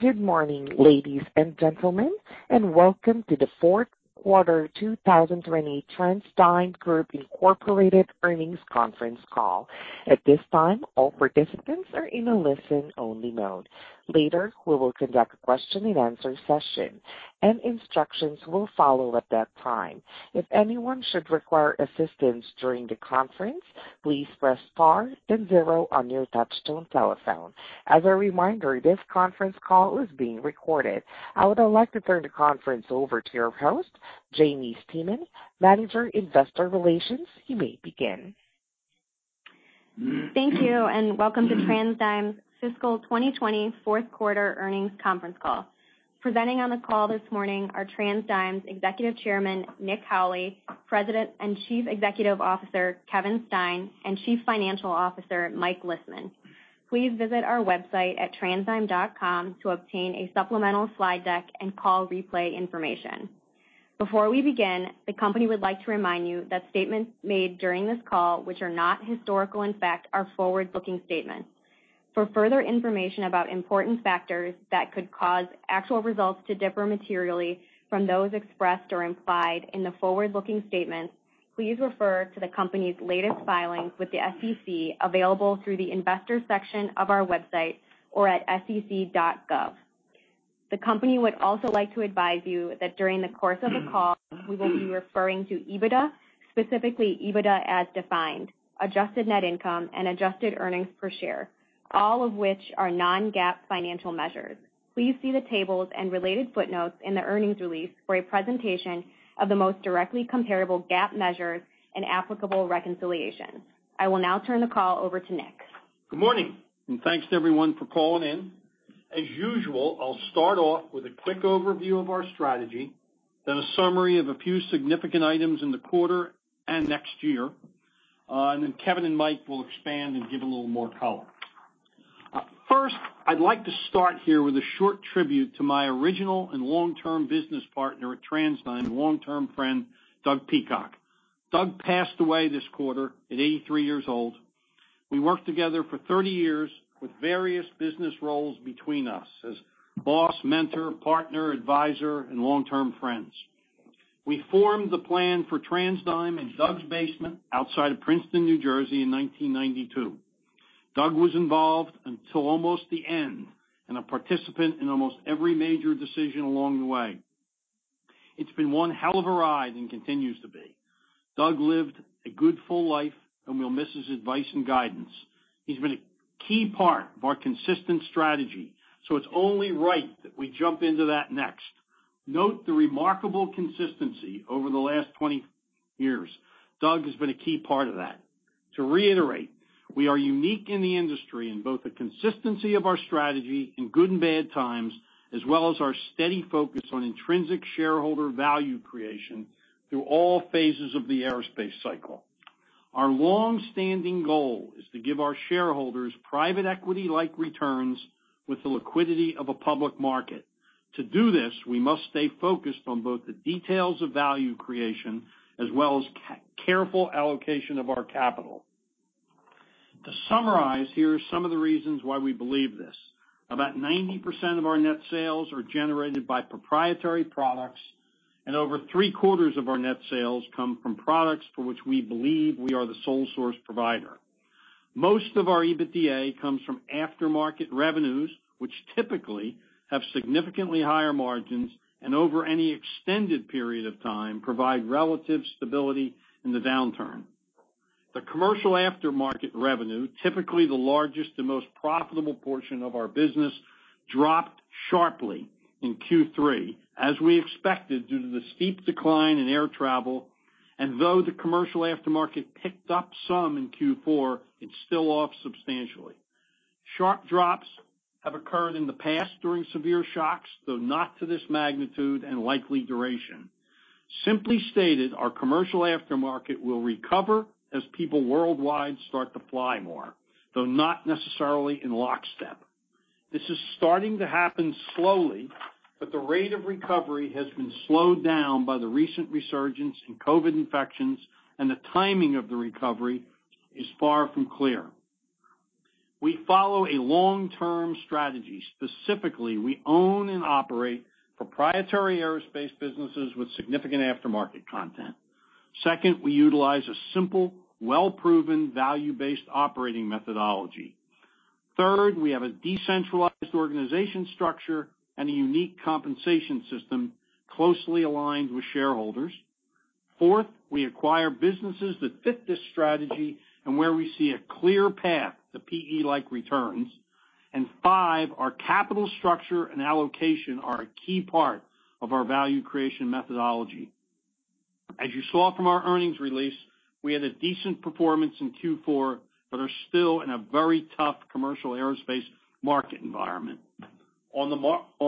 Good morning, ladies and gentlemen, and welcome to the fourth quarter 2020 TransDigm Group Incorporated earnings conference call. At this time, all participants are in a listen-only mode. Later, we will conduct a question and answer session and instructions will follow at that time. If anyone should require assistance during the conference, please press star then zero on your touchtone telephone. As a reminder, this conference call is being recorded. I would like to turn the conference over to your host, Jaimie Stemen, Manager, Investor Relations. You may begin. Thank you, and welcome to TransDigm's fiscal 2020 fourth quarter earnings conference call. Presenting on the call this morning are TransDigm's Executive Chairman, Nick Howley, President and Chief Executive Officer, Kevin Stein, and Chief Financial Officer, Mike Lisman. Please visit our website at transdigm.com to obtain a supplemental slide deck and call replay information. Before we begin, the company would like to remind you that statements made during this call, which are not historical in fact, are forward-looking statements. For further information about important factors that could cause actual results to differ materially from those expressed or implied in the forward-looking statements, please refer to the company's latest filings with the SEC, available through the investors section of our website or at sec.gov. The company would also like to advise you that during the course of the call, we will be referring to EBITDA, specifically EBITDA as defined, adjusted net income, and adjusted earnings per share, all of which are non-GAAP financial measures. Please see the tables and related footnotes in the earnings release for a presentation of the most directly comparable GAAP measures and applicable reconciliations. I will now turn the call over to Nick. Good morning. Thanks to everyone for calling in. As usual, I'll start off with a quick overview of our strategy, then a summary of a few significant items in the quarter and next year. Then Kevin and Mike will expand and give a little more color. First, I'd like to start here with a short tribute to my original and long-term business partner at TransDigm, long-term friend, Doug Peacock. Doug passed away this quarter at 83 years old. We worked together for 30 years with various business roles between us as boss, mentor, partner, advisor, and long-term friends. We formed the plan for TransDigm in Doug's basement outside of Princeton, New Jersey, in 1992. Doug was involved until almost the end and a participant in almost every major decision along the way. It's been one hell of a ride and continues to be. Doug lived a good, full life, and we'll miss his advice and guidance. He's been a key part of our consistent strategy, so it's only right that we jump into that next. Note the remarkable consistency over the last 20 years. Doug has been a key part of that. To reiterate, we are unique in the industry in both the consistency of our strategy in good and bad times, as well as our steady focus on intrinsic shareholder value creation through all phases of the aerospace cycle. Our long-standing goal is to give our shareholders private equity-like returns with the liquidity of a public market. To do this, we must stay focused on both the details of value creation as well as careful allocation of our capital. To summarize, here are some of the reasons why we believe this. About 90% of our net sales are generated by proprietary products, and over three-quarters of our net sales come from products for which we believe we are the sole source provider. Most of our EBITDA comes from aftermarket revenues, which typically have significantly higher margins and over any extended period of time, provide relative stability in the downturn. The commercial aftermarket revenue, typically the largest and most profitable portion of our business, dropped sharply in Q3 as we expected due to the steep decline in air travel. Though the commercial aftermarket picked up some in Q4, it's still off substantially. Sharp drops have occurred in the past during severe shocks, though not to this magnitude and likely duration. Simply stated, our commercial aftermarket will recover as people worldwide start to fly more, though not necessarily in lockstep. This is starting to happen slowly, but the rate of recovery has been slowed down by the recent resurgence in COVID infections, and the timing of the recovery is far from clear. We follow a long-term strategy. Specifically, we own and operate proprietary aerospace businesses with significant aftermarket content. Second, we utilize a simple, well-proven, value-based operating methodology. Third, we have a decentralized organization structure and a unique compensation system closely aligned with shareholders. Fourth, we acquire businesses that fit this strategy and where we see a clear path to PE-like returns. Five, our capital structure and allocation are a key part of our value creation methodology. As you saw from our earnings release, we had a decent performance in Q4, but are still in a very tough commercial aerospace market environment. On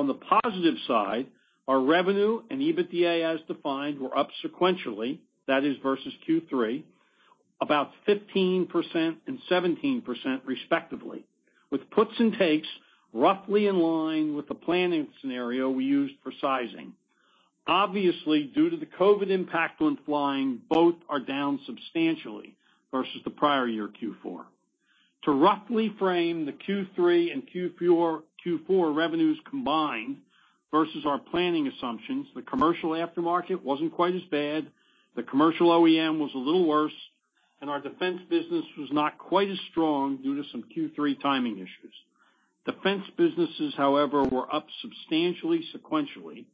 the positive side, our revenue and EBITDA as defined were up sequentially, that is versus Q3, about 15% and 17% respectively, with puts and takes roughly in line with the planning scenario we used for sizing. Obviously, due to the COVID impact on flying, both are down substantially versus the prior year Q4. To roughly frame the Q3 and Q4 revenues combined versus our planning assumptions, the commercial aftermarket wasn't quite as bad, the commercial OEM was a little worse, and our defense business was not quite as strong due to some Q3 timing issues. Defense businesses, however, were up substantially sequentially,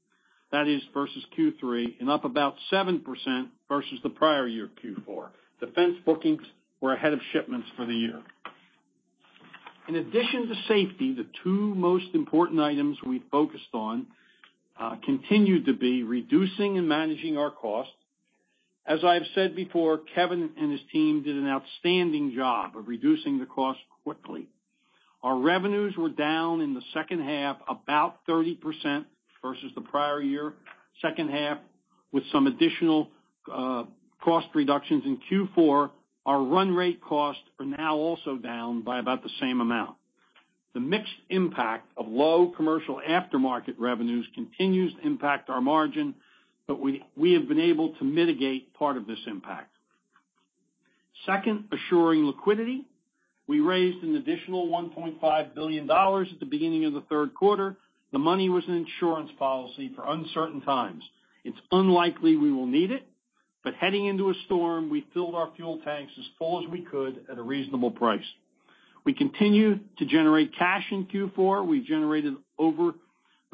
that is, versus Q3, and up about 7% versus the prior year Q4. Defense bookings were ahead of shipments for the year. In addition to safety, the two most important items we focused on continued to be reducing and managing our costs. As I've said before, Kevin and his team did an outstanding job of reducing the cost quickly. Our revenues were down in the second half about 30% versus the prior year second half, with some additional cost reductions in Q4. Our run rate costs are now also down by about the same amount. The mixed impact of low commercial aftermarket revenues continues to impact our margin, but we have been able to mitigate part of this impact. Second, assuring liquidity. We raised an additional $1.5 billion at the beginning of the third quarter. The money was an insurance policy for uncertain times. It's unlikely we will need it, but heading into a storm, we filled our fuel tanks as full as we could at a reasonable price. We continue to generate cash in Q4. We generated over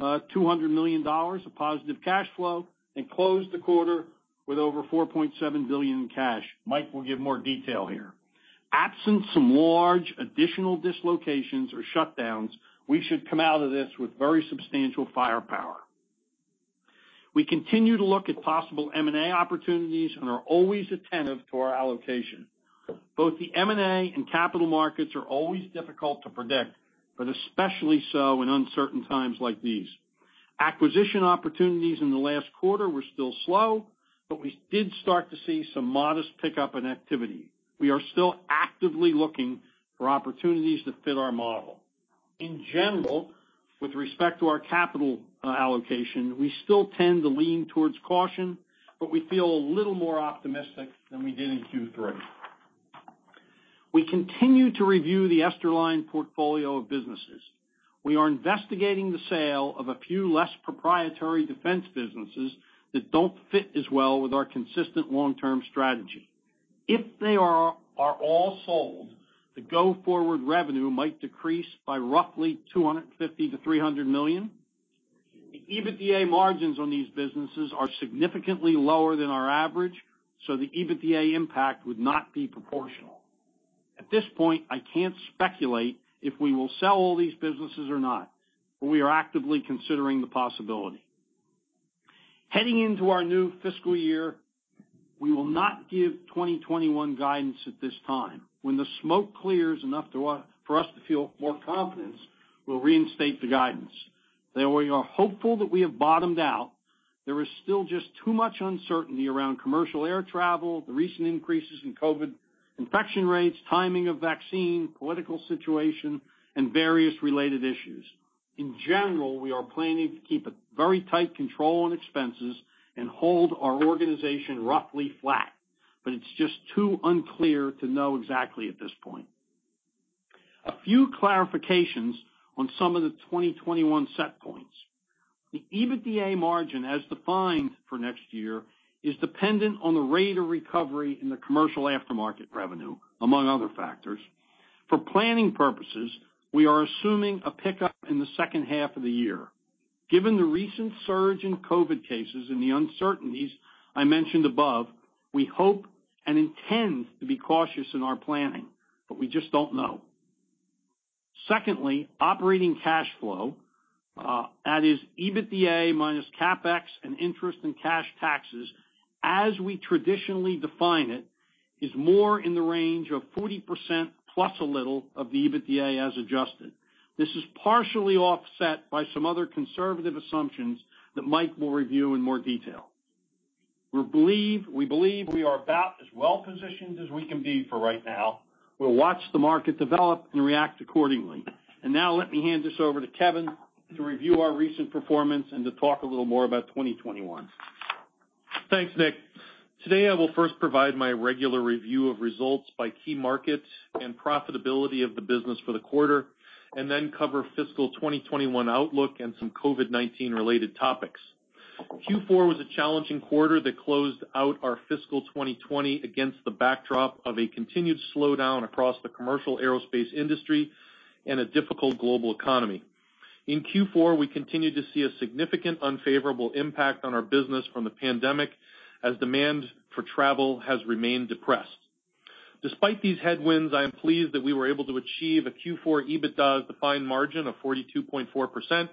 $200 million of positive cash flow and closed the quarter with over $4.7 billion in cash. Mike will give more detail here. Absent some large additional dislocations or shutdowns, we should come out of this with very substantial firepower. We continue to look at possible M&A opportunities and are always attentive to our allocation. Both the M&A and capital markets are always difficult to predict, but especially so in uncertain times like these. Acquisition opportunities in the last quarter were still slow, but we did start to see some modest pickup in activity. We are still actively looking for opportunities that fit our model. In general, with respect to our capital allocation, we still tend to lean towards caution, but we feel a little more optimistic than we did in Q3. We continue to review the Esterline portfolio of businesses. We are investigating the sale of a few less proprietary defense businesses that don't fit as well with our consistent long-term strategy. If they are all sold, the go-forward revenue might decrease by roughly $250 million-$300 million. The EBITDA margins on these businesses are significantly lower than our average, so the EBITDA impact would not be proportional. At this point, I can't speculate if we will sell all these businesses or not, but we are actively considering the possibility. Heading into our new fiscal year, we will not give 2021 guidance at this time. When the smoke clears enough for us to feel more confidence, we'll reinstate the guidance. We are hopeful that we have bottomed out, there is still just too much uncertainty around commercial air travel, the recent increases in COVID infection rates, timing of vaccine, political situation, and various related issues. In general, we are planning to keep a very tight control on expenses and hold our organization roughly flat, but it's just too unclear to know exactly at this point. A few clarifications on some of the 2021 set points. The EBITDA margin as defined for next year is dependent on the rate of recovery in the commercial aftermarket revenue, among other factors. For planning purposes, we are assuming a pickup in the second half of the year. Given the recent surge in COVID cases and the uncertainties I mentioned above, we hope and intend to be cautious in our planning, but we just don't know. Secondly, operating cash flow, that is EBITDA minus CapEx and interest in cash taxes, as we traditionally define it, is more in the range of 40% plus a little of the EBITDA as adjusted. This is partially offset by some other conservative assumptions that Mike will review in more detail. We believe we are about as well positioned as we can be for right now. We'll watch the market develop and react accordingly. Now let me hand this over to Kevin to review our recent performance and to talk a little more about 2021. Thanks, Nick. Today, I will first provide my regular review of results by key market and profitability of the business for the quarter, and then cover fiscal 2021 outlook and some COVID-19 related topics. Q4 was a challenging quarter that closed out our fiscal 2020 against the backdrop of a continued slowdown across the commercial aerospace industry and a difficult global economy. In Q4, we continued to see a significant unfavorable impact on our business from the pandemic as demand for travel has remained depressed. Despite these headwinds, I am pleased that we were able to achieve a Q4 EBITDA defined margin of 42.4%,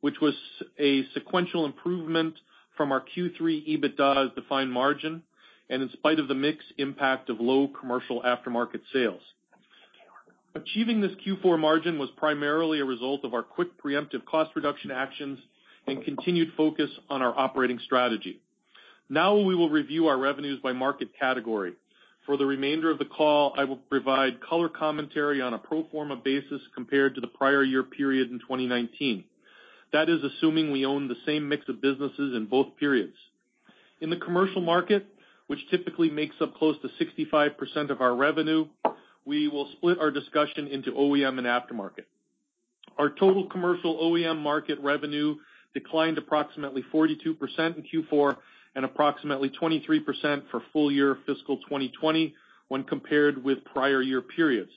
which was a sequential improvement from our Q3 EBITDA defined margin, and in spite of the mixed impact of low commercial aftermarket sales. Achieving this Q4 margin was primarily a result of our quick preemptive cost reduction actions and continued focus on our operating strategy. Now we will review our revenues by market category. For the remainder of the call, I will provide color commentary on a pro forma basis compared to the prior year period in 2019. That is assuming we own the same mix of businesses in both periods. In the commercial market, which typically makes up close to 65% of our revenue, we will split our discussion into OEM and aftermarket. Our total commercial OEM market revenue declined approximately 42% in Q4 and approximately 23% for full year fiscal 2020 when compared with prior year periods.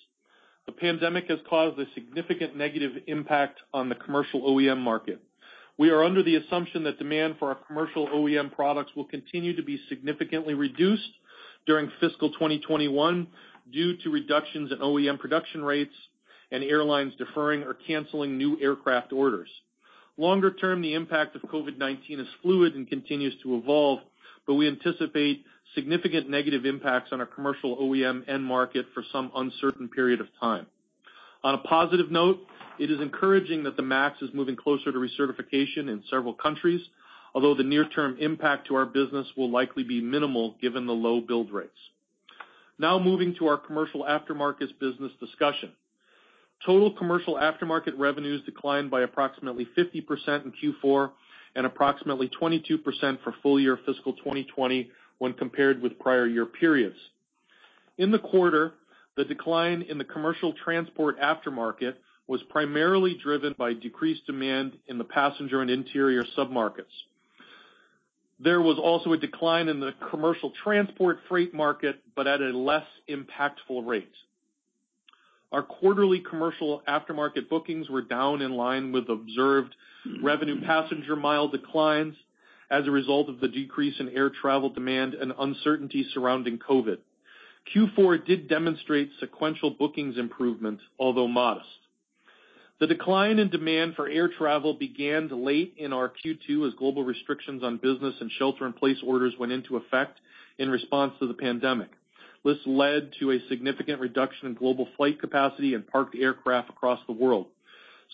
The pandemic has caused a significant negative impact on the commercial OEM market. We are under the assumption that demand for our commercial OEM products will continue to be significantly reduced during fiscal 2021 due to reductions in OEM production rates and airlines deferring or canceling new aircraft orders. Longer term, the impact of COVID-19 is fluid and continues to evolve, but we anticipate significant negative impacts on our commercial OEM end market for some uncertain period of time. On a positive note, it is encouraging that the MAX is moving closer to recertification in several countries, although the near term impact to our business will likely be minimal given the low build rates. Moving to our commercial aftermarkets business discussion. Total commercial aftermarket revenues declined by approximately 50% in Q4 and approximately 22% for full year fiscal 2020 when compared with prior year periods. In the quarter, the decline in the commercial transport aftermarket was primarily driven by decreased demand in the passenger and interior submarkets. There was also a decline in the commercial transport freight market, but at a less impactful rate. Our quarterly commercial aftermarket bookings were down in line with observed revenue passenger mile declines as a result of the decrease in air travel demand and uncertainty surrounding COVID. Q4 did demonstrate sequential bookings improvement, although modest. The decline in demand for air travel began late in our Q2 as global restrictions on business and shelter in place orders went into effect in response to the pandemic. This led to a significant reduction in global flight capacity and parked aircraft across the world.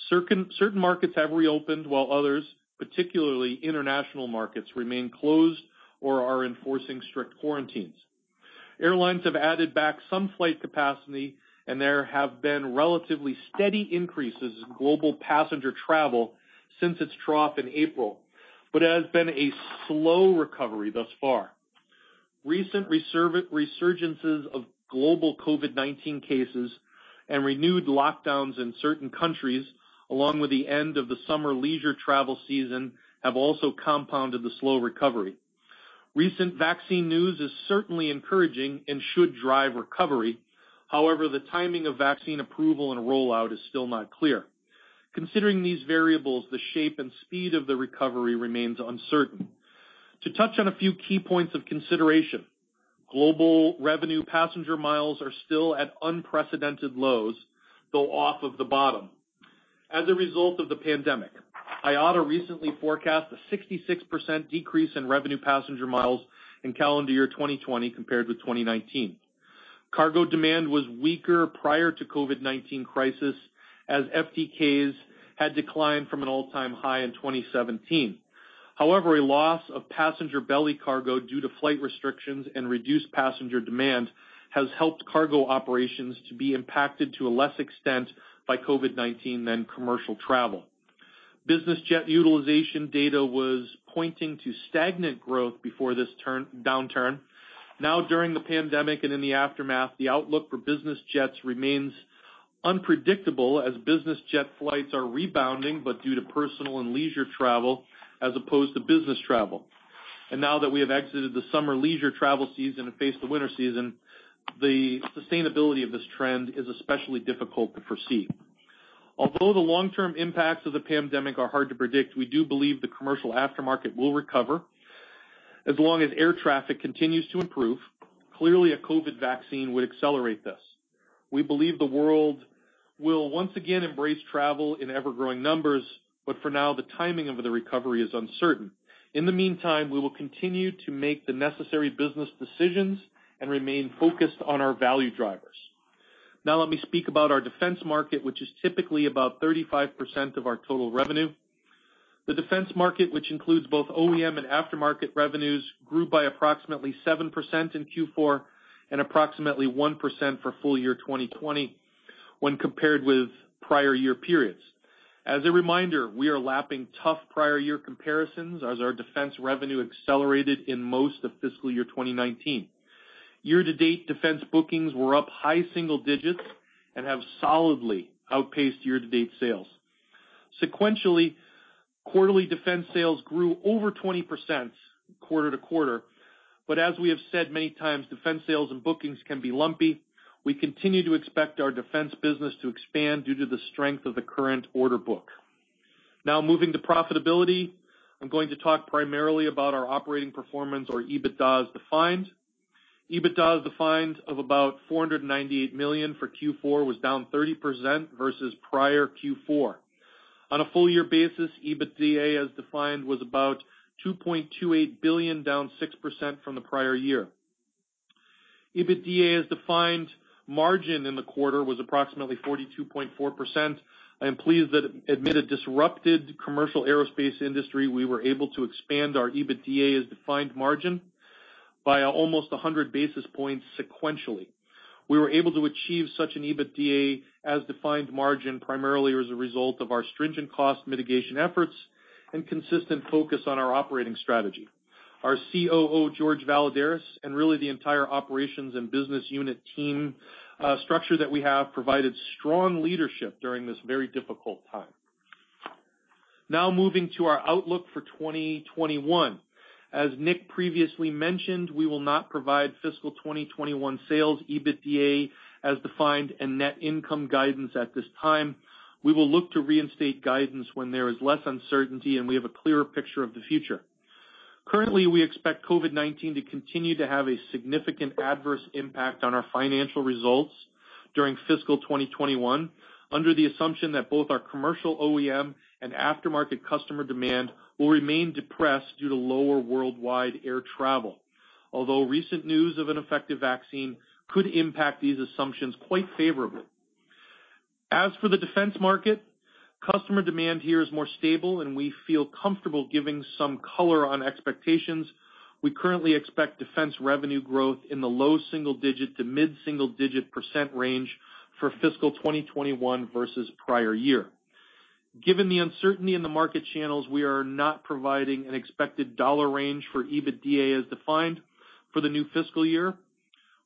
Certain markets have reopened while others, particularly international markets, remain closed or are enforcing strict quarantines. Airlines have added back some flight capacity, and there have been relatively steady increases in global passenger travel since its trough in April, but it has been a slow recovery thus far. Recent resurgences of global COVID-19 cases and renewed lockdowns in certain countries, along with the end of the summer leisure travel season, have also compounded the slow recovery. Recent vaccine news is certainly encouraging and should drive recovery. However, the timing of vaccine approval and rollout is still not clear. Considering these variables, the shape and speed of the recovery remains uncertain. To touch on a few key points of consideration, global revenue passenger miles are still at unprecedented lows, though off of the bottom. As a result of the pandemic, IATA recently forecast a 66% decrease in revenue passenger miles in calendar year 2020 compared with 2019. Cargo demand was weaker prior to COVID-19 crisis, as FTKs had declined from an all-time high in 2017. However, a loss of passenger belly cargo due to flight restrictions and reduced passenger demand has helped cargo operations to be impacted to a less extent by COVID-19 than commercial travel. Business jet utilization data was pointing to stagnant growth before this downturn. Now, during the pandemic and in the aftermath, the outlook for business jets remains unpredictable as business jet flights are rebounding, but due to personal and leisure travel as opposed to business travel. Now that we have exited the summer leisure travel season and face the winter season, the sustainability of this trend is especially difficult to foresee. Although the long term impacts of the pandemic are hard to predict, we do believe the commercial aftermarket will recover as long as air traffic continues to improve. Clearly, a COVID vaccine would accelerate this. We believe the world will once again embrace travel in ever-growing numbers, but for now, the timing of the recovery is uncertain. In the meantime, we will continue to make the necessary business decisions and remain focused on our value drivers. Now let me speak about our defense market, which is typically about 35% of our total revenue. The defense market, which includes both OEM and aftermarket revenues, grew by approximately 7% in Q4 and approximately 1% for full year 2020 when compared with prior year periods. As a reminder, we are lapping tough prior year comparisons as our defense revenue accelerated in most of fiscal year 2019. Year to date, defense bookings were up high single digits and have solidly outpaced year to date sales. Sequentially, quarterly defense sales grew over 20% quarter to quarter. As we have said many times, defense sales and bookings can be lumpy. We continue to expect our defense business to expand due to the strength of the current order book. Moving to profitability. I'm going to talk primarily about our operating performance or EBITDA as defined. EBITDA as defined of about $498 million for Q4 was down 30% versus prior Q4. On a full year basis, EBITDA as defined was about $2.28 billion, down 6% from the prior year. EBITDA as defined margin in the quarter was approximately 42.4%. I am pleased that amid a disrupted commercial aerospace industry, we were able to expand our EBITDA as defined margin by almost 100 basis points sequentially. We were able to achieve such an EBITDA as defined margin primarily as a result of our stringent cost mitigation efforts and consistent focus on our operating strategy. Our COO, Jorge Valladares, and really the entire operations and business unit team structure that we have, provided strong leadership during this very difficult time. Now moving to our outlook for 2021. As Nick previously mentioned, we will not provide fiscal 2021 sales EBITDA as defined and net income guidance at this time. We will look to reinstate guidance when there is less uncertainty, and we have a clearer picture of the future. Currently, we expect COVID-19 to continue to have a significant adverse impact on our financial results during fiscal 2021, under the assumption that both our commercial OEM and aftermarket customer demand will remain depressed due to lower worldwide air travel. Although recent news of an effective vaccine could impact these assumptions quite favorably. As for the defense market, customer demand here is more stable, and we feel comfortable giving some color on expectations. We currently expect defense revenue growth in the low single-digit to mid-single-digit percent range for fiscal 2021 versus prior year. Given the uncertainty in the market channels, we are not providing an expected dollar range for EBITDA as defined for the new fiscal year.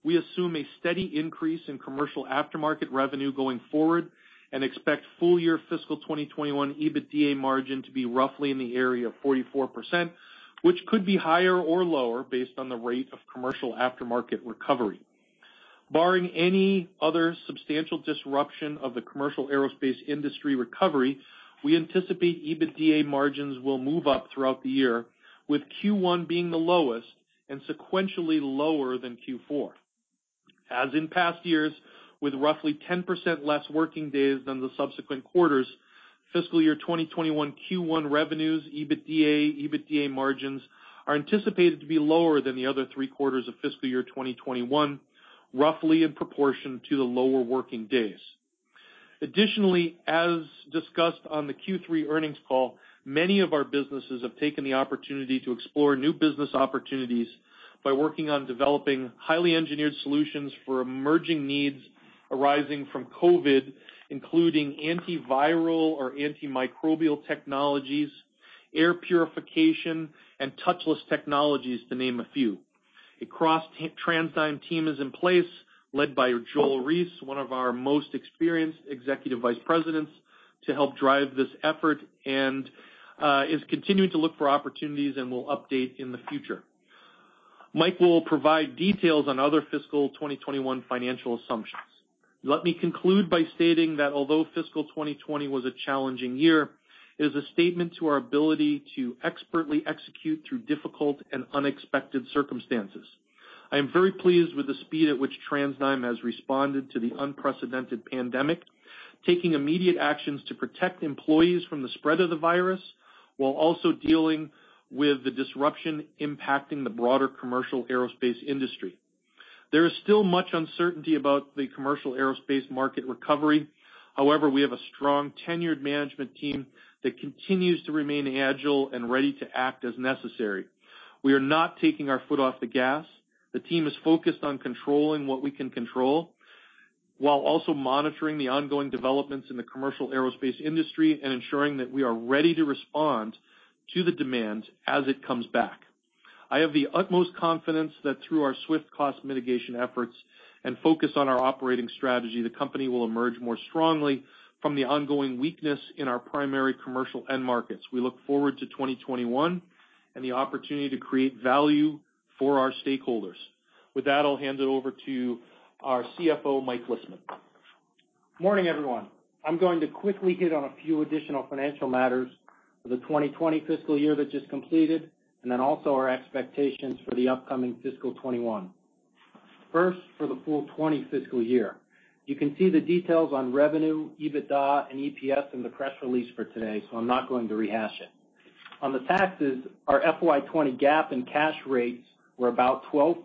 We assume a steady increase in commercial aftermarket revenue going forward and expect full year fiscal 2021 EBITDA margin to be roughly in the area of 44%, which could be higher or lower based on the rate of commercial aftermarket recovery. Barring any other substantial disruption of the commercial aerospace industry recovery, we anticipate EBITDA margins will move up throughout the year, with Q1 being the lowest and sequentially lower than Q4. As in past years, with roughly 10% less working days than the subsequent quarters, fiscal year 2021 Q1 revenues, EBITDA margins are anticipated to be lower than the other three quarters of fiscal year 2021, roughly in proportion to the lower working days. Additionally, as discussed on the Q3 earnings call, many of our businesses have taken the opportunity to explore new business opportunities by working on developing highly engineered solutions for emerging needs arising from COVID, including antiviral or antimicrobial technologies, air purification, and touchless technologies, to name a few. A cross-TransDigm team is in place, led by Joel Reiss, one of our most experienced executive vice presidents, to help drive this effort, and is continuing to look for opportunities and will update in the future. Mike will provide details on other fiscal 2021 financial assumptions. Let me conclude by stating that although fiscal 2020 was a challenging year, it is a statement to our ability to expertly execute through difficult and unexpected circumstances. I am very pleased with the speed at which TransDigm has responded to the unprecedented pandemic, taking immediate actions to protect employees from the spread of the virus, while also dealing with the disruption impacting the broader commercial aerospace industry. There is still much uncertainty about the commercial aerospace market recovery. We have a strong tenured management team that continues to remain agile and ready to act as necessary. We are not taking our foot off the gas. The team is focused on controlling what we can control while also monitoring the ongoing developments in the commercial aerospace industry and ensuring that we are ready to respond to the demand as it comes back. I have the utmost confidence that through our swift cost mitigation efforts and focus on our operating strategy, the company will emerge more strongly from the ongoing weakness in our primary commercial end markets. We look forward to 2021 and the opportunity to create value for our stakeholders. With that, I'll hand it over to our CFO, Mike Lisman. Morning, everyone. I'm going to quickly hit on a few additional financial matters for the 2020 fiscal year that just completed, and then also our expectations for the upcoming fiscal 2021. First, for the full 2020 fiscal year. You can see the details on revenue, EBITDA, and EPS in the press release for today, so I'm not going to rehash it. On the taxes, our FY 2020 GAAP and cash rates were about 12%,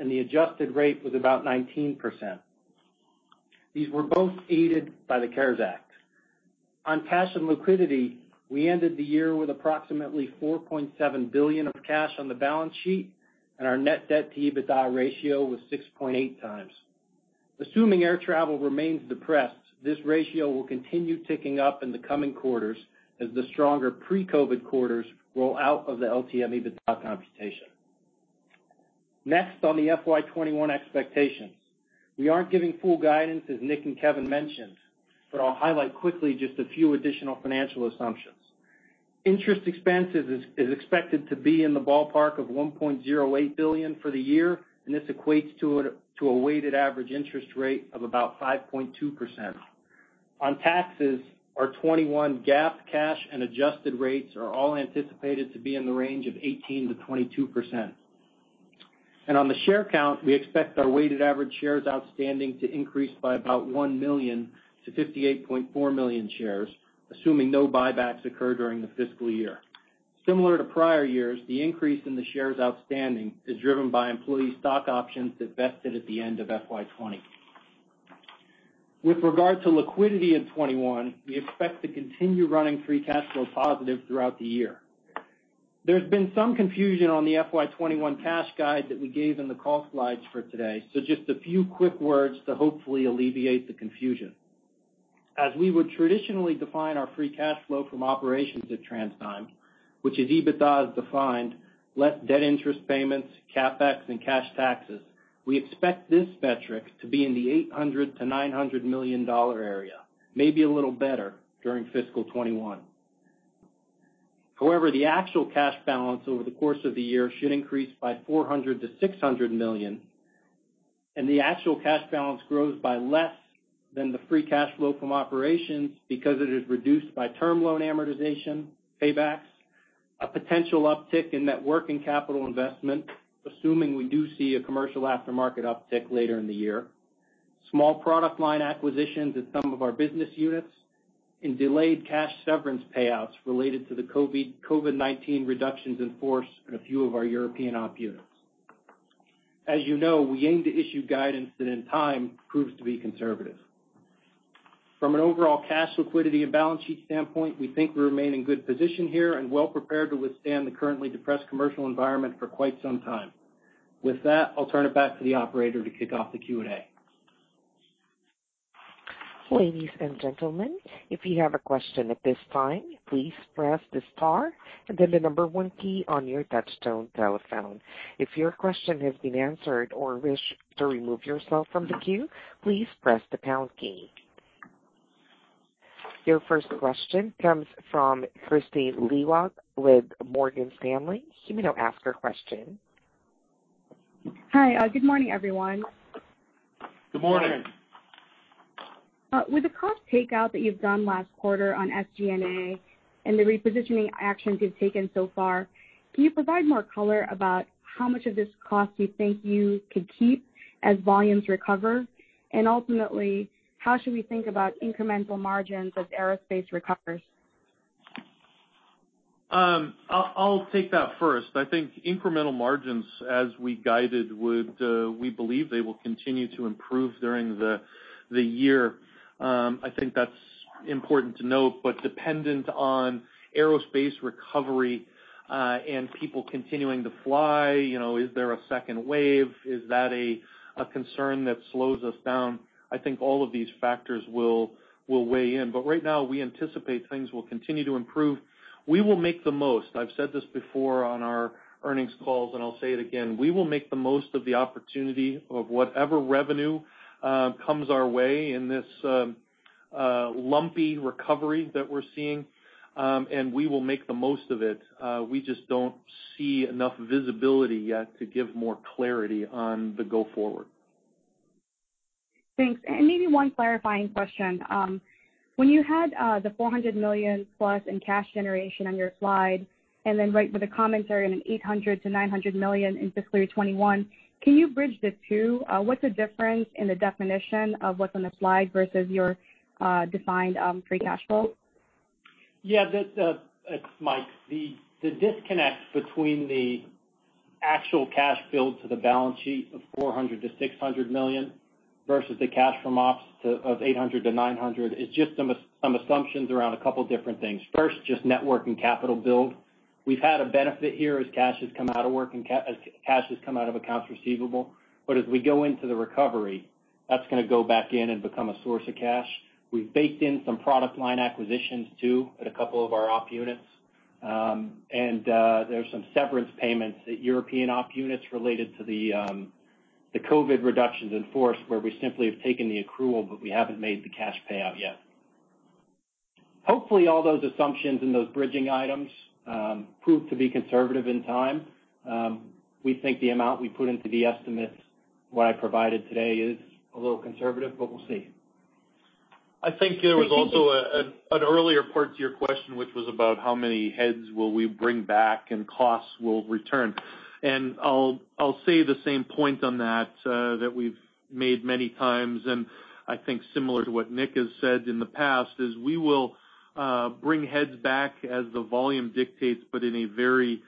and the adjusted rate was about 19%. These were both aided by the CARES Act. On cash and liquidity, we ended the year with approximately $4.7 billion of cash on the balance sheet, and our net debt-to-EBITDA ratio was 6.8x. Assuming air travel remains depressed, this ratio will continue ticking up in the coming quarters as the stronger pre-COVID quarters roll out of the LTM EBITDA computation. Next, on the FY 2021 expectations. We aren't giving full guidance, as Nick and Kevin mentioned, but I'll highlight quickly just a few additional financial assumptions. Interest expenses is expected to be in the ballpark of $1.08 billion for the year, and this equates to a weighted average interest rate of about 5.2%. On taxes, our 2021 GAAP cash and adjusted rates are all anticipated to be in the range of 18%-22%. On the share count, we expect our weighted average shares outstanding to increase by about 1 million to 58.4 million shares, assuming no buybacks occur during the fiscal year. Similar to prior years, the increase in the shares outstanding is driven by employee stock options that vested at the end of FY 2020. With regard to liquidity in 2021, we expect to continue running free cash flow positive throughout the year. There's been some confusion on the FY 2021 cash guide that we gave in the call slides for today, so just a few quick words to hopefully alleviate the confusion. As we would traditionally define our free cash flow from operations at TransDigm, which is EBITDA as defined, less debt interest payments, CapEx, and cash taxes. We expect this metric to be in the $800 million-$900 million area, maybe a little better during fiscal 2021. The actual cash balance over the course of the year should increase by $400 million-$600 million, the actual cash balance grows by less than the free cash flow from operations because it is reduced by term loan amortization, paybacks, a potential uptick in net working capital investment, assuming we do see a commercial aftermarket uptick later in the year. Small product line acquisitions at some of our business units, delayed cash severance payouts related to the COVID-19 reductions in force in a few of our European op units. As you know, we aim to issue guidance that in time proves to be conservative. From an overall cash liquidity and balance sheet standpoint, we think we remain in good position here and well prepared to withstand the currently depressed commercial environment for quite some time. With that, I'll turn it back to the operator to kick off the Q&A. Ladies and gentlemen, if you have a question at this time, please press the star and then the number one key on your touchtone telephone. If your question has been answered or you wish to remove yourself from the queue, please press the pound key. Your first question comes from Kristine Liwag with Morgan Stanley. You may now ask your question. Hi. Good morning, everyone. Good morning. With the cost takeout that you've done last quarter on SG&A and the repositioning actions you've taken so far, can you provide more color about how much of this cost you think you could keep as volumes recover? Ultimately, how should we think about incremental margins as aerospace recovers? I'll take that first. I think incremental margins, as we guided, we believe they will continue to improve during the year. I think that's important to note, dependent on aerospace recovery, and people continuing to fly. Is there a second wave? Is that a concern that slows us down? I think all of these factors will weigh in. Right now, we anticipate things will continue to improve. We will make the most. I've said this before on our earnings calls, and I'll say it again. We will make the most of the opportunity of whatever revenue comes our way in this lumpy recovery that we're seeing, and we will make the most of it. We just don't see enough visibility yet to give more clarity on the go forward. Thanks. Maybe one clarifying question. When you had the $400+ million in cash generation on your slide, and then right with a commentary on an $800 million-$900 million in fiscal year 2021, can you bridge the two? What's the difference in the definition of what's on the slide versus your defined free cash flow? Yeah, it's Mike. The disconnect between the actual cash build to the balance sheet of $400 million-$600 million versus the cash from ops of $800 million-$900 million is just some assumptions around a couple different things. First, just net working capital build. We've had a benefit here as cash has come out of accounts receivable. As we go into the recovery, that's going to go back in and become a source of cash. We've baked in some product line acquisitions, too, at a couple of our op units. There's some severance payments at European op units related to the COVID reductions in force where we simply have taken the accrual, but we haven't made the cash payout yet. Hopefully all those assumptions and those bridging items prove to be conservative in time. We think the amount we put into the estimates, what I provided today is a little conservative, but we'll see. Thank you. I think there was also an earlier part to your question, which was about how many heads will we bring back, and costs will return. I'll say the same point on that we've made many times, and I think similar to what Nick has said in the past, is we will bring heads back as the volume dictates, but in a very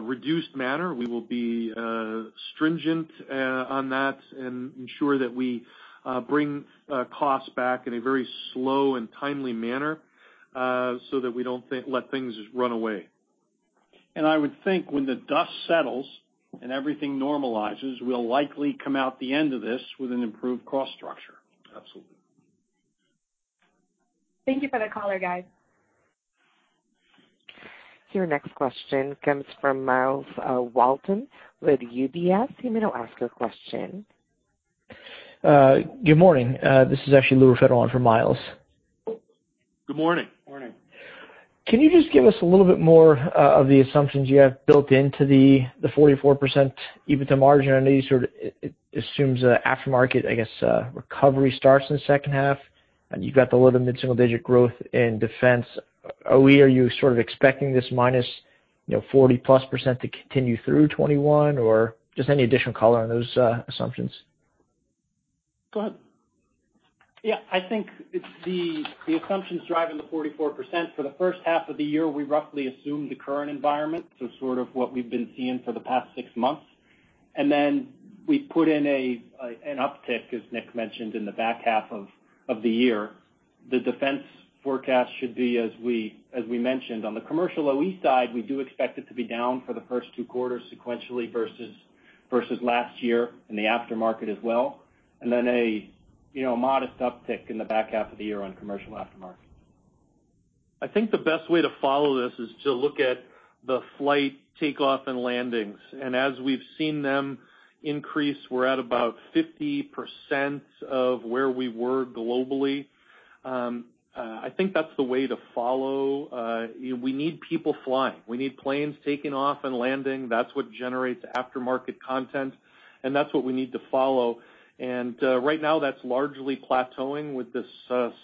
reduced manner. We will be stringent on that and ensure that we bring costs back in a very slow and timely manner, so that we don't let things run away. I would think when the dust settles and everything normalizes, we'll likely come out the end of this with an improved cost structure. Absolutely. Thank you for the color, guys. Your next question comes from Myles Walton with UBS. You may now ask your question. Good morning. This is actually Louis Raffetto for Myles. Good morning. Morning. Can you just give us a little bit more of the assumptions you have built into the 44% EBITDA margin? I know you sort of assumes aftermarket, I guess, recovery starts in the second half, and you've got the low to mid-single digit growth in defense. Are you sort of expecting this minus 40%+ percent to continue through 2021, or just any additional color on those assumptions? Go ahead. Yeah. I think it's the assumptions driving the 44%. For the first half of the year, we roughly assume the current environment, so sort of what we've been seeing for the past six months. We put in an uptick, as Nick mentioned, in the back half of the year. The defense forecast should be as we mentioned. On the commercial OE side, we do expect it to be down for the first two quarters sequentially versus last year in the aftermarket as well. A modest uptick in the back half of the year on commercial aftermarket. I think the best way to follow this is to look at the flight takeoff and landings. As we've seen them increase, we're at about 50% of where we were globally. I think that's the way to follow. We need people flying. We need planes taking off and landing. That's what generates aftermarket content, and that's what we need to follow. Right now, that's largely plateauing with this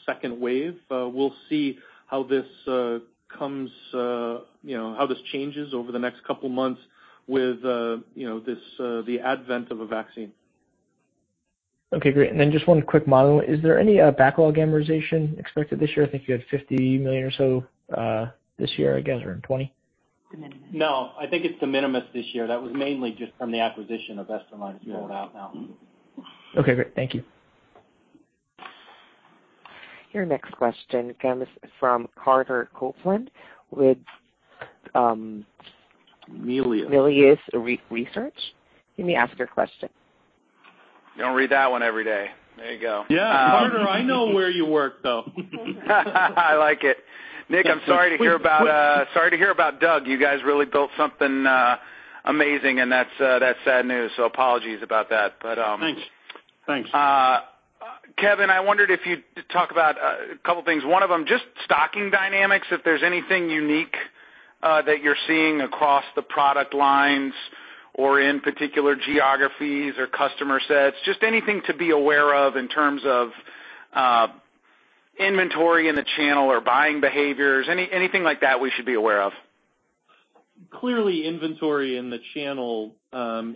second wave. We'll see how this changes over the next couple of months with the advent of a vaccine. Okay, great. Just one quick model. Is there any backlog amortization expected this year? I think you had $50 million or so, this year, I guess, or in 2020. No, I think it's de minimis this year. That was mainly just from the acquisition of Esterline sold out now. Okay, great. Thank you. Your next question comes from Carter Copeland with- Melius -Melius Research. You may ask your question. You don't read that one every day. There you go. Yeah. Carter, I know where you work, though. I like it. Nick, I'm sorry to hear about Doug. You guys really built something amazing, and that's sad news. Apologies about that. Thanks. Kevin, I wondered if you'd talk about a couple of things. One of them, just stocking dynamics, if there's anything unique that you're seeing across the product lines or in particular geographies or customer sets, just anything to be aware of in terms of inventory in the channel or buying behaviors, anything like that we should be aware of. Clearly, inventory in the channel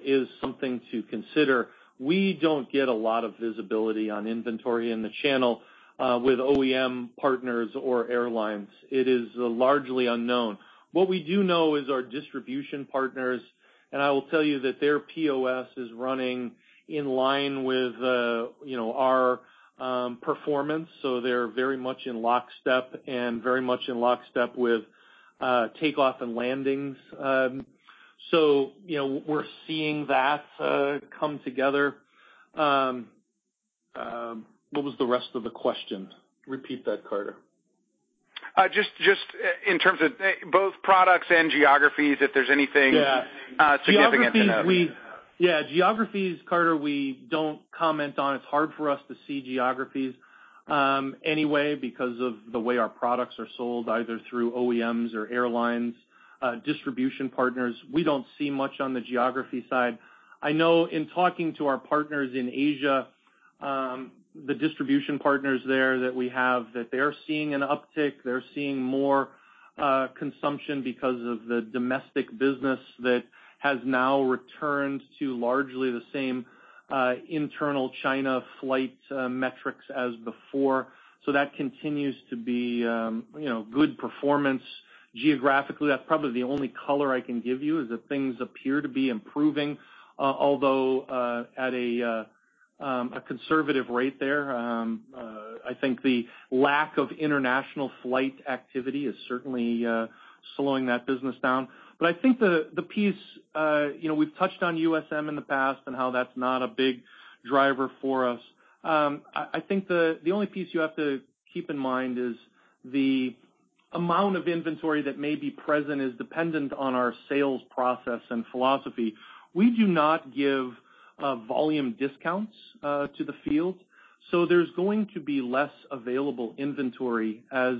is something to consider. We don't get a lot of visibility on inventory in the channel with OEM partners or airlines. It is largely unknown. What we do know is our distribution partners, and I will tell you that their POS is running in line with our performance, so they're very much in lockstep, and very much in lockstep with takeoff and landings. We're seeing that come together. What was the rest of the question? Repeat that, Carter. Just in terms of both products and geographies, if there's anything- Yeah -significant to note. Yeah. Geographies, Carter, we don't comment on. It's hard for us to see geographies anyway because of the way our products are sold, either through OEMs or airlines, distribution partners. We don't see much on the geography side. I know in talking to our partners in Asia, the distribution partners there that we have, that they're seeing an uptick. They're seeing more consumption because of the domestic business that has now returned to largely the same internal China flight metrics as before. That continues to be good performance geographically. That's probably the only color I can give you, is that things appear to be improving, although, at a conservative rate there. I think the lack of international flight activity is certainly slowing that business down. I think we've touched on USM in the past and how that's not a big driver for us. I think the only piece you have to keep in mind is the amount of inventory that may be present is dependent on our sales process and philosophy. We do not give volume discounts to the field, there's going to be less available inventory as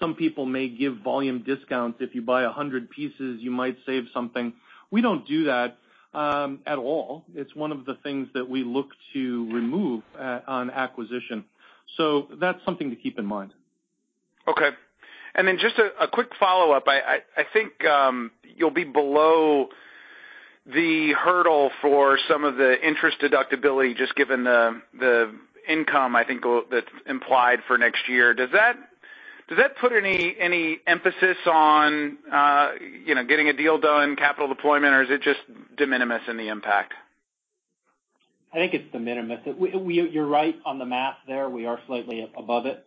some people may give volume discounts. If you buy 100 pieces, you might save something. We don't do that at all. It's one of the things that we look to remove on acquisition. That's something to keep in mind. Okay. Just a quick follow-up. I think you'll be below the hurdle for some of the interest deductibility, just given the income, I think that's implied for next year. Does that put any emphasis on getting a deal done, capital deployment, or is it just de minimis in the impact? I think it's de minimis. You're right on the math there. We are slightly above it.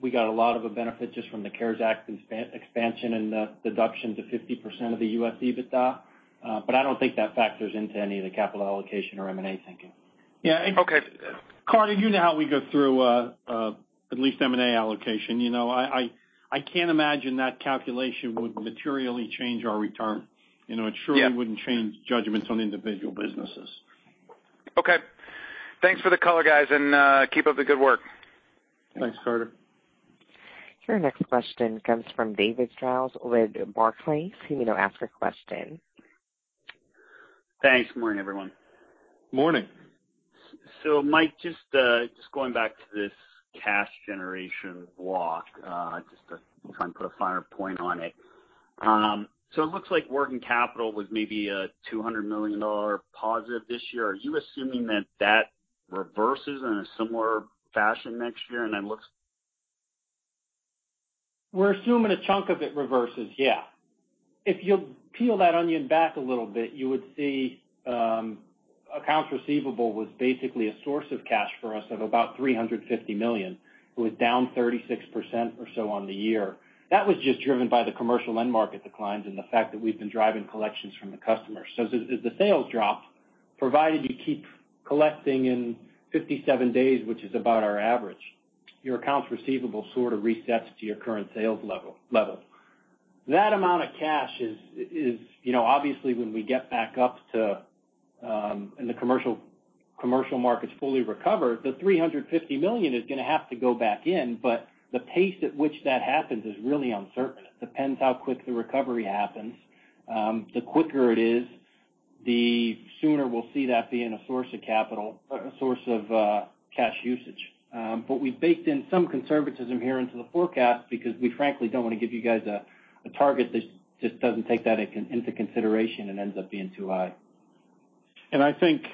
We got a lot of a benefit just from the CARES Act expansion and the deduction to 50% of the U.S. EBITDA. I don't think that factors into any of the capital allocation or M&A thinking. Yeah. Okay. Carter, you know how we go through at least M&A allocation. I can't imagine that calculation would materially change our return. It surely wouldn't change judgments on individual businesses. Okay. Thanks for the color, guys, and keep up the good work. Thanks, Carter. Your next question comes from David Strauss with Barclays. Thanks. Morning, everyone. Morning. Mike, just going back to this cash generation block, just to try and put a finer point on it. It looks like working capital was maybe a $200 million positive this year. Are you assuming that that reverses in a similar fashion next year? We're assuming a chunk of it reverses, yeah. If you peel that onion back a little bit, you would see accounts receivable was basically a source of cash for us of about $350 million. It was down 36% or so on the year. That was just driven by the commercial end market declines and the fact that we've been driving collections from the customers. As the sales drop, provided you keep collecting in 57 days, which is about our average, your accounts receivable sort of resets to your current sales level. That amount of cash is obviously when we get back up to, and the commercial markets fully recover, the $350 million is going to have to go back in, but the pace at which that happens is really uncertain. It depends how quick the recovery happens. The quicker it is, the sooner we'll see that being a source of capital, a source of cash usage. We've baked in some conservatism here into the forecast because we frankly don't want to give you guys a target that just doesn't take that into consideration and ends up being too high. And I think-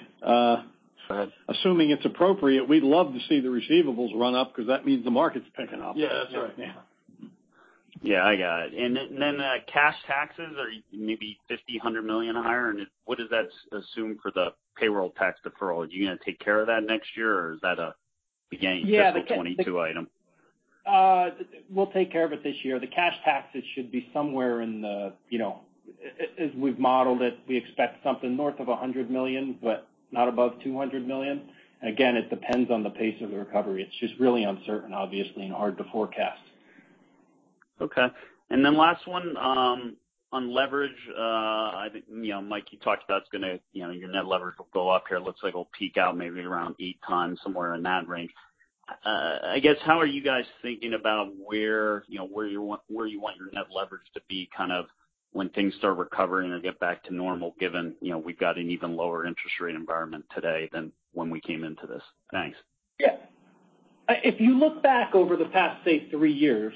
Go ahead. Assuming it's appropriate, we'd love to see the receivables run up because that means the market's picking up. Yeah, that's right. Yeah, I got it. Then cash taxes are maybe $50 million, $100 million higher. What does that assume for the payroll tax deferral? Are you going to take care of that next year or is that a. Yeah fiscal 2022 item? We'll take care of it this year. The cash taxes should be somewhere in the, as we've modeled it, we expect something north of $100 million, but not above $200 million. Again, it depends on the pace of the recovery. It's just really uncertain, obviously, and hard to forecast. Okay. Then last one, on leverage, I think, Mike, you talked about it's gonna, your net leverage will go up here. It looks like it'll peak out maybe around 8x, somewhere in that range. I guess, how are you guys thinking about where you want your net leverage to be kind of when things start recovering or get back to normal, given we've got an even lower interest rate environment today than when we came into this? Thanks. Yeah. If you look back over the past, say, three years,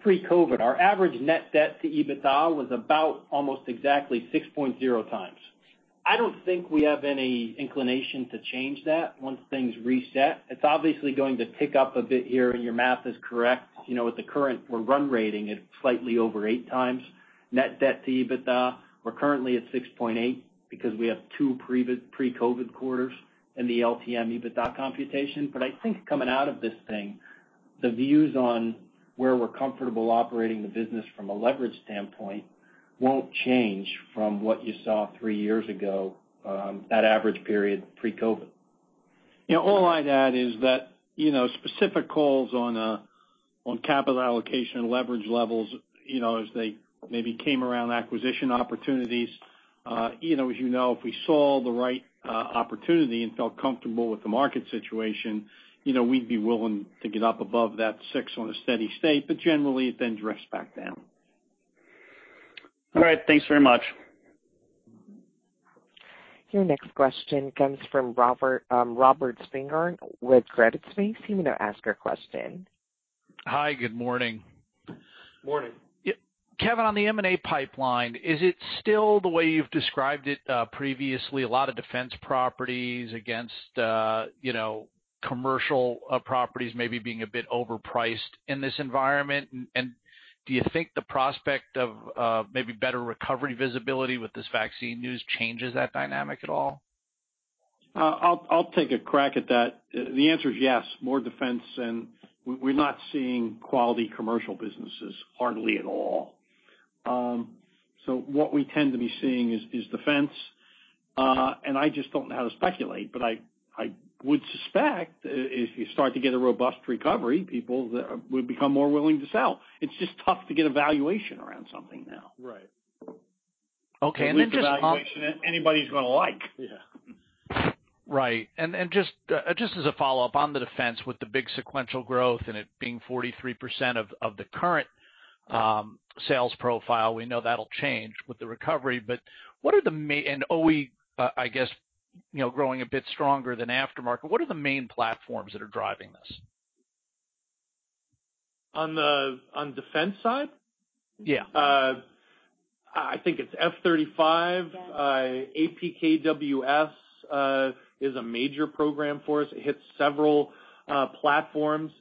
pre-COVID, our average net debt to EBITDA was about almost exactly 6.0x. I don't think we have any inclination to change that once things reset. It's obviously going to tick up a bit here, and your math is correct. With the current run rating at slightly over 8x net debt to EBITDA. We're currently at 6.8x because we have two pre-COVID quarters in the LTM EBITDA computation. I think coming out of this thing, the views on where we're comfortable operating the business from a leverage standpoint won't change from what you saw three years ago, that average period pre-COVID. All I'd add is that specific calls on capital allocation and leverage levels, as they maybe came around acquisition opportunities. As you know, if we saw the right opportunity and felt comfortable with the market situation, we'd be willing to get up above that six on a steady state, but generally, it then drifts back down. All right. Thanks very much. Your next question comes from Robert Spingarn with Credit Suisse. You may now ask your question. Hi, good morning. Morning. Kevin, on the M&A pipeline, is it still the way you've described it previously, a lot of defense properties against commercial properties maybe being a bit overpriced in this environment? Do you think the prospect of maybe better recovery visibility with this vaccine news changes that dynamic at all? I'll take a crack at that. The answer is yes, more defense, and we're not seeing quality commercial businesses hardly at all. What we tend to be seeing is defense. I just don't know how to speculate, but I would suspect if you start to get a robust recovery, people would become more willing to sell. It's just tough to get a valuation around something now. Right. Okay. At least a valuation anybody's gonna like. Yeah. Right. Just as a follow-up on the defense with the big sequential growth and it being 43% of the current sales profile, we know that'll change with the recovery. What are the main OE, I guess, growing a bit stronger than aftermarket. What are the main platforms that are driving this? On defense side? Yeah. I think it's F-35. APKWS is a major program for us. It hits several platforms.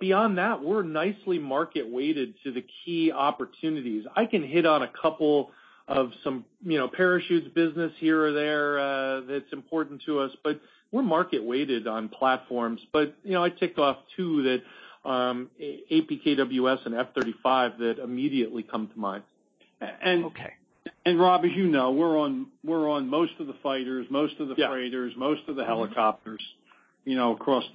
Beyond that, we're nicely market-weighted to the key opportunities. I can hit on a couple of some parachutes business here or there that's important to us, but we're market-weighted on platforms. I ticked off two, APKWS and F-35, that immediately come to mind. Okay. Rob, as you know, we're on most of the fighters, most of the freighters. Yeah. Most of the helicopters across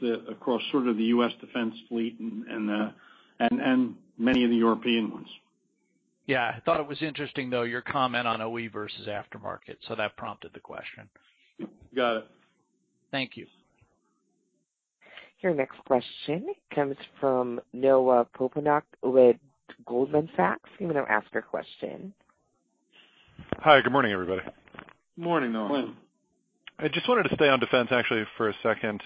sort of the U.S. Defense fleet and many of the European ones. Yeah. I thought it was interesting, though, your comment on OE versus aftermarket, so that prompted the question. Got it. Thank you. Your next question comes from Noah Poponak with Goldman Sachs. You may now ask your question. Hi, good morning, everybody. Morning, Noah. Morning. I just wanted to stay on defense, actually, for a second.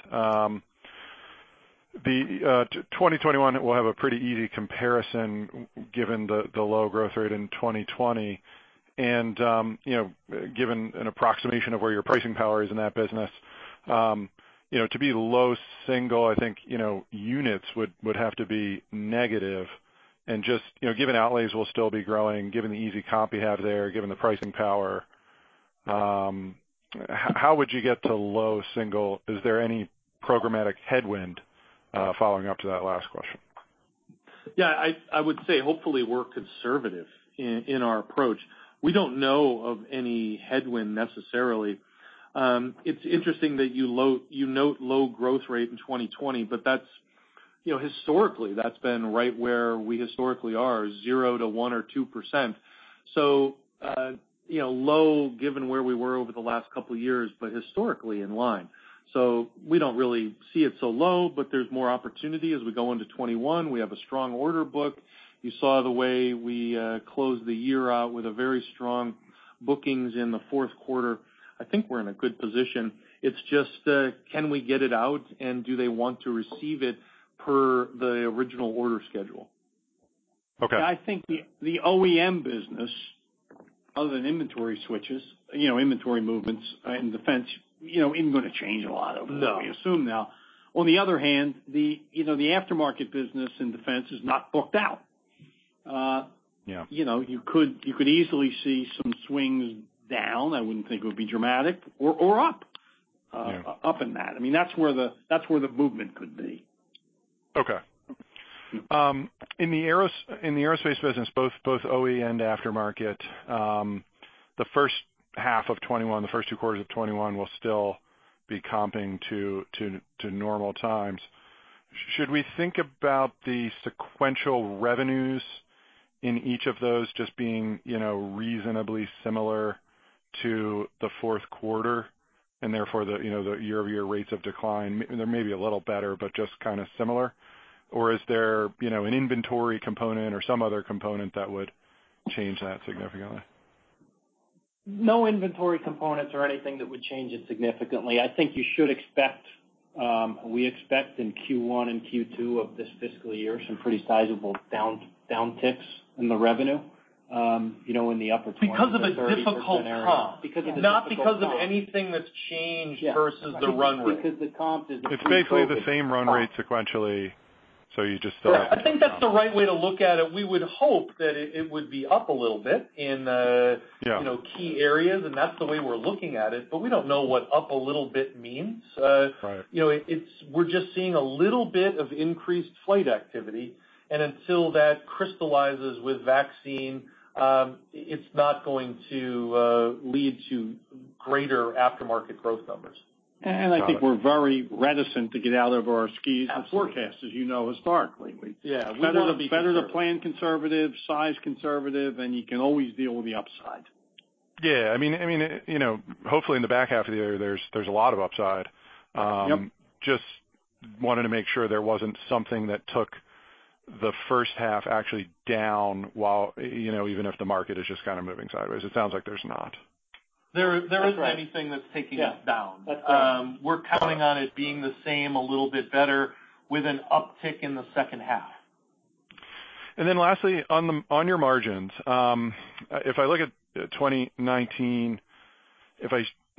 2021 will have a pretty easy comparison given the low growth rate in 2020, and given an approximation of where your pricing power is in that business. To be low single, I think, units would have to be negative and just given outlays will still be growing, given the easy comp you have there, given the pricing power, how would you get to low single? Is there any programmatic headwind following up to that last question? Yeah. I would say, hopefully, we're conservative in our approach. We don't know of any headwind necessarily. It's interesting that you note low growth rate in 2020, but historically, that's been right where we historically are, 0% to 1% or 2%. Low, given where we were over the last couple of years, but historically in line. We don't really see it so low, but there's more opportunity as we go into 2021. We have a strong order book. You saw the way we closed the year out with a very strong bookings in the fourth quarter. I think we're in a good position. It's just, can we get it out and do they want to receive it per the original order schedule? Okay. I think the OEM business, other than inventory switches, inventory movements in defense isn't going to change a lot over that. No we assume now. On the other hand, the aftermarket business in defense is not booked out. Yeah. You could easily see some swings down. I wouldn't think it would be dramatic, or up. Yeah. Up in that. That's where the movement could be. Okay. In the aerospace business, both OE and aftermarket, the first half of 2021, the first two quarters of 2021 will still be comping to normal times. Should we think about the sequential revenues in each of those just being reasonably similar to the fourth quarter and therefore the year-over-year rates of decline, they may be a little better, but just kind of similar? Or is there an inventory component or some other component that would change that significantly? No inventory components or anything that would change it significantly. We expect in Q1 and Q2 of this fiscal year, some pretty sizable down ticks in the revenue, in the upper 20%-30% area. Because of a difficult comp. Because of a difficult comp. Not because of anything that's changed versus the run rate. Yeah. Because the comp is a pre-COVID comp. It's basically the same run rate sequentially, so you just still have the comp. I think that's the right way to look at it. We would hope that it would be up a little bit. Yeah In the key areas, and that's the way we're looking at it. We don't know what up a little bit means. Right. We're just seeing a little bit of increased flight activity, and until that crystallizes with vaccine, it's not going to lead to greater aftermarket growth numbers. I think we're very reticent to get out of our skis. Absolutely forecast, as you know, historically. Yeah. We want to be conservative. It's better to plan conservative, size conservative, and you can always deal with the upside. Yeah. Hopefully in the back half of the year, there's a lot of upside. Yep. Just wanted to make sure there wasn't something that took the first half actually down even if the market is just kind of moving sideways. It sounds like there's not. There isn't anything that's taking us down. That's right. We're counting on it being the same, a little bit better, with an uptick in the second half. Lastly, on your margins. If I look at 2019, if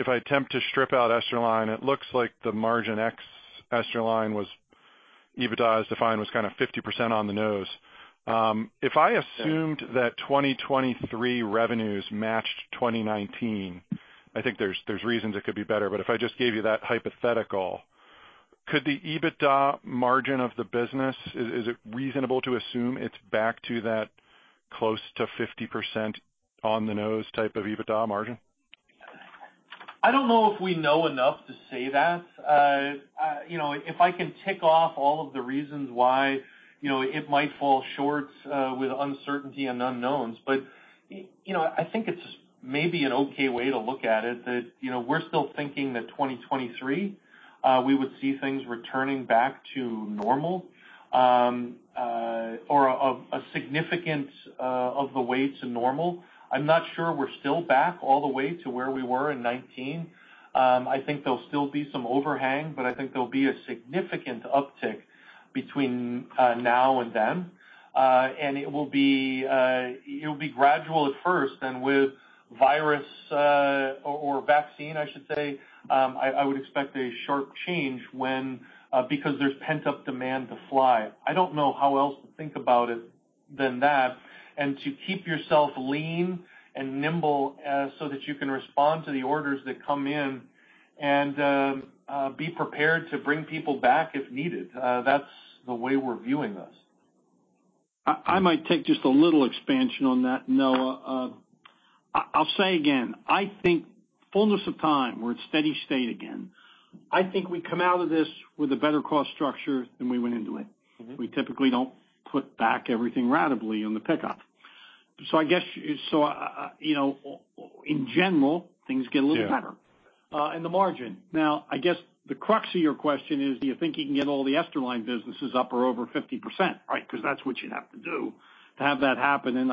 I attempt to strip out Esterline, it looks like the margin ex Esterline was, EBITDA as defined, was kind of 50% on the nose. If I assumed that 2023 revenues matched 2019, I think there's reasons it could be better, but if I just gave you that hypothetical, could the EBITDA margin of the business, is it reasonable to assume it's back to that close to 50% on the nose type of EBITDA margin? I don't know if we know enough to say that. If I can tick off all of the reasons why it might fall short with uncertainty and unknowns, but I think it's maybe an okay way to look at it, that we're still thinking that 2023, we would see things returning back to normal, or a significance of the way to normal. I'm not sure we're still back all the way to where we were in 2019. I think there'll still be some overhang, but I think there'll be a significant uptick between now and then. It will be gradual at first, then with virus or vaccine, I should say, I would expect a sharp change because there's pent-up demand to fly. I don't know how else to think about it than that, and to keep yourself lean and nimble so that you can respond to the orders that come in, and be prepared to bring people back if needed. That's the way we're viewing this. I might take just a little expansion on that, Noah. I'll say again, I think fullness of time, we're at steady state again. I think we come out of this with a better cost structure than we went into it. We typically don't put back everything ratably on the pickup. I guess, in general, things get a little better. Yeah. The margin. Now, I guess the crux of your question is, do you think you can get all the Esterline businesses up or over 50%, right? That's what you'd have to do to have that happen,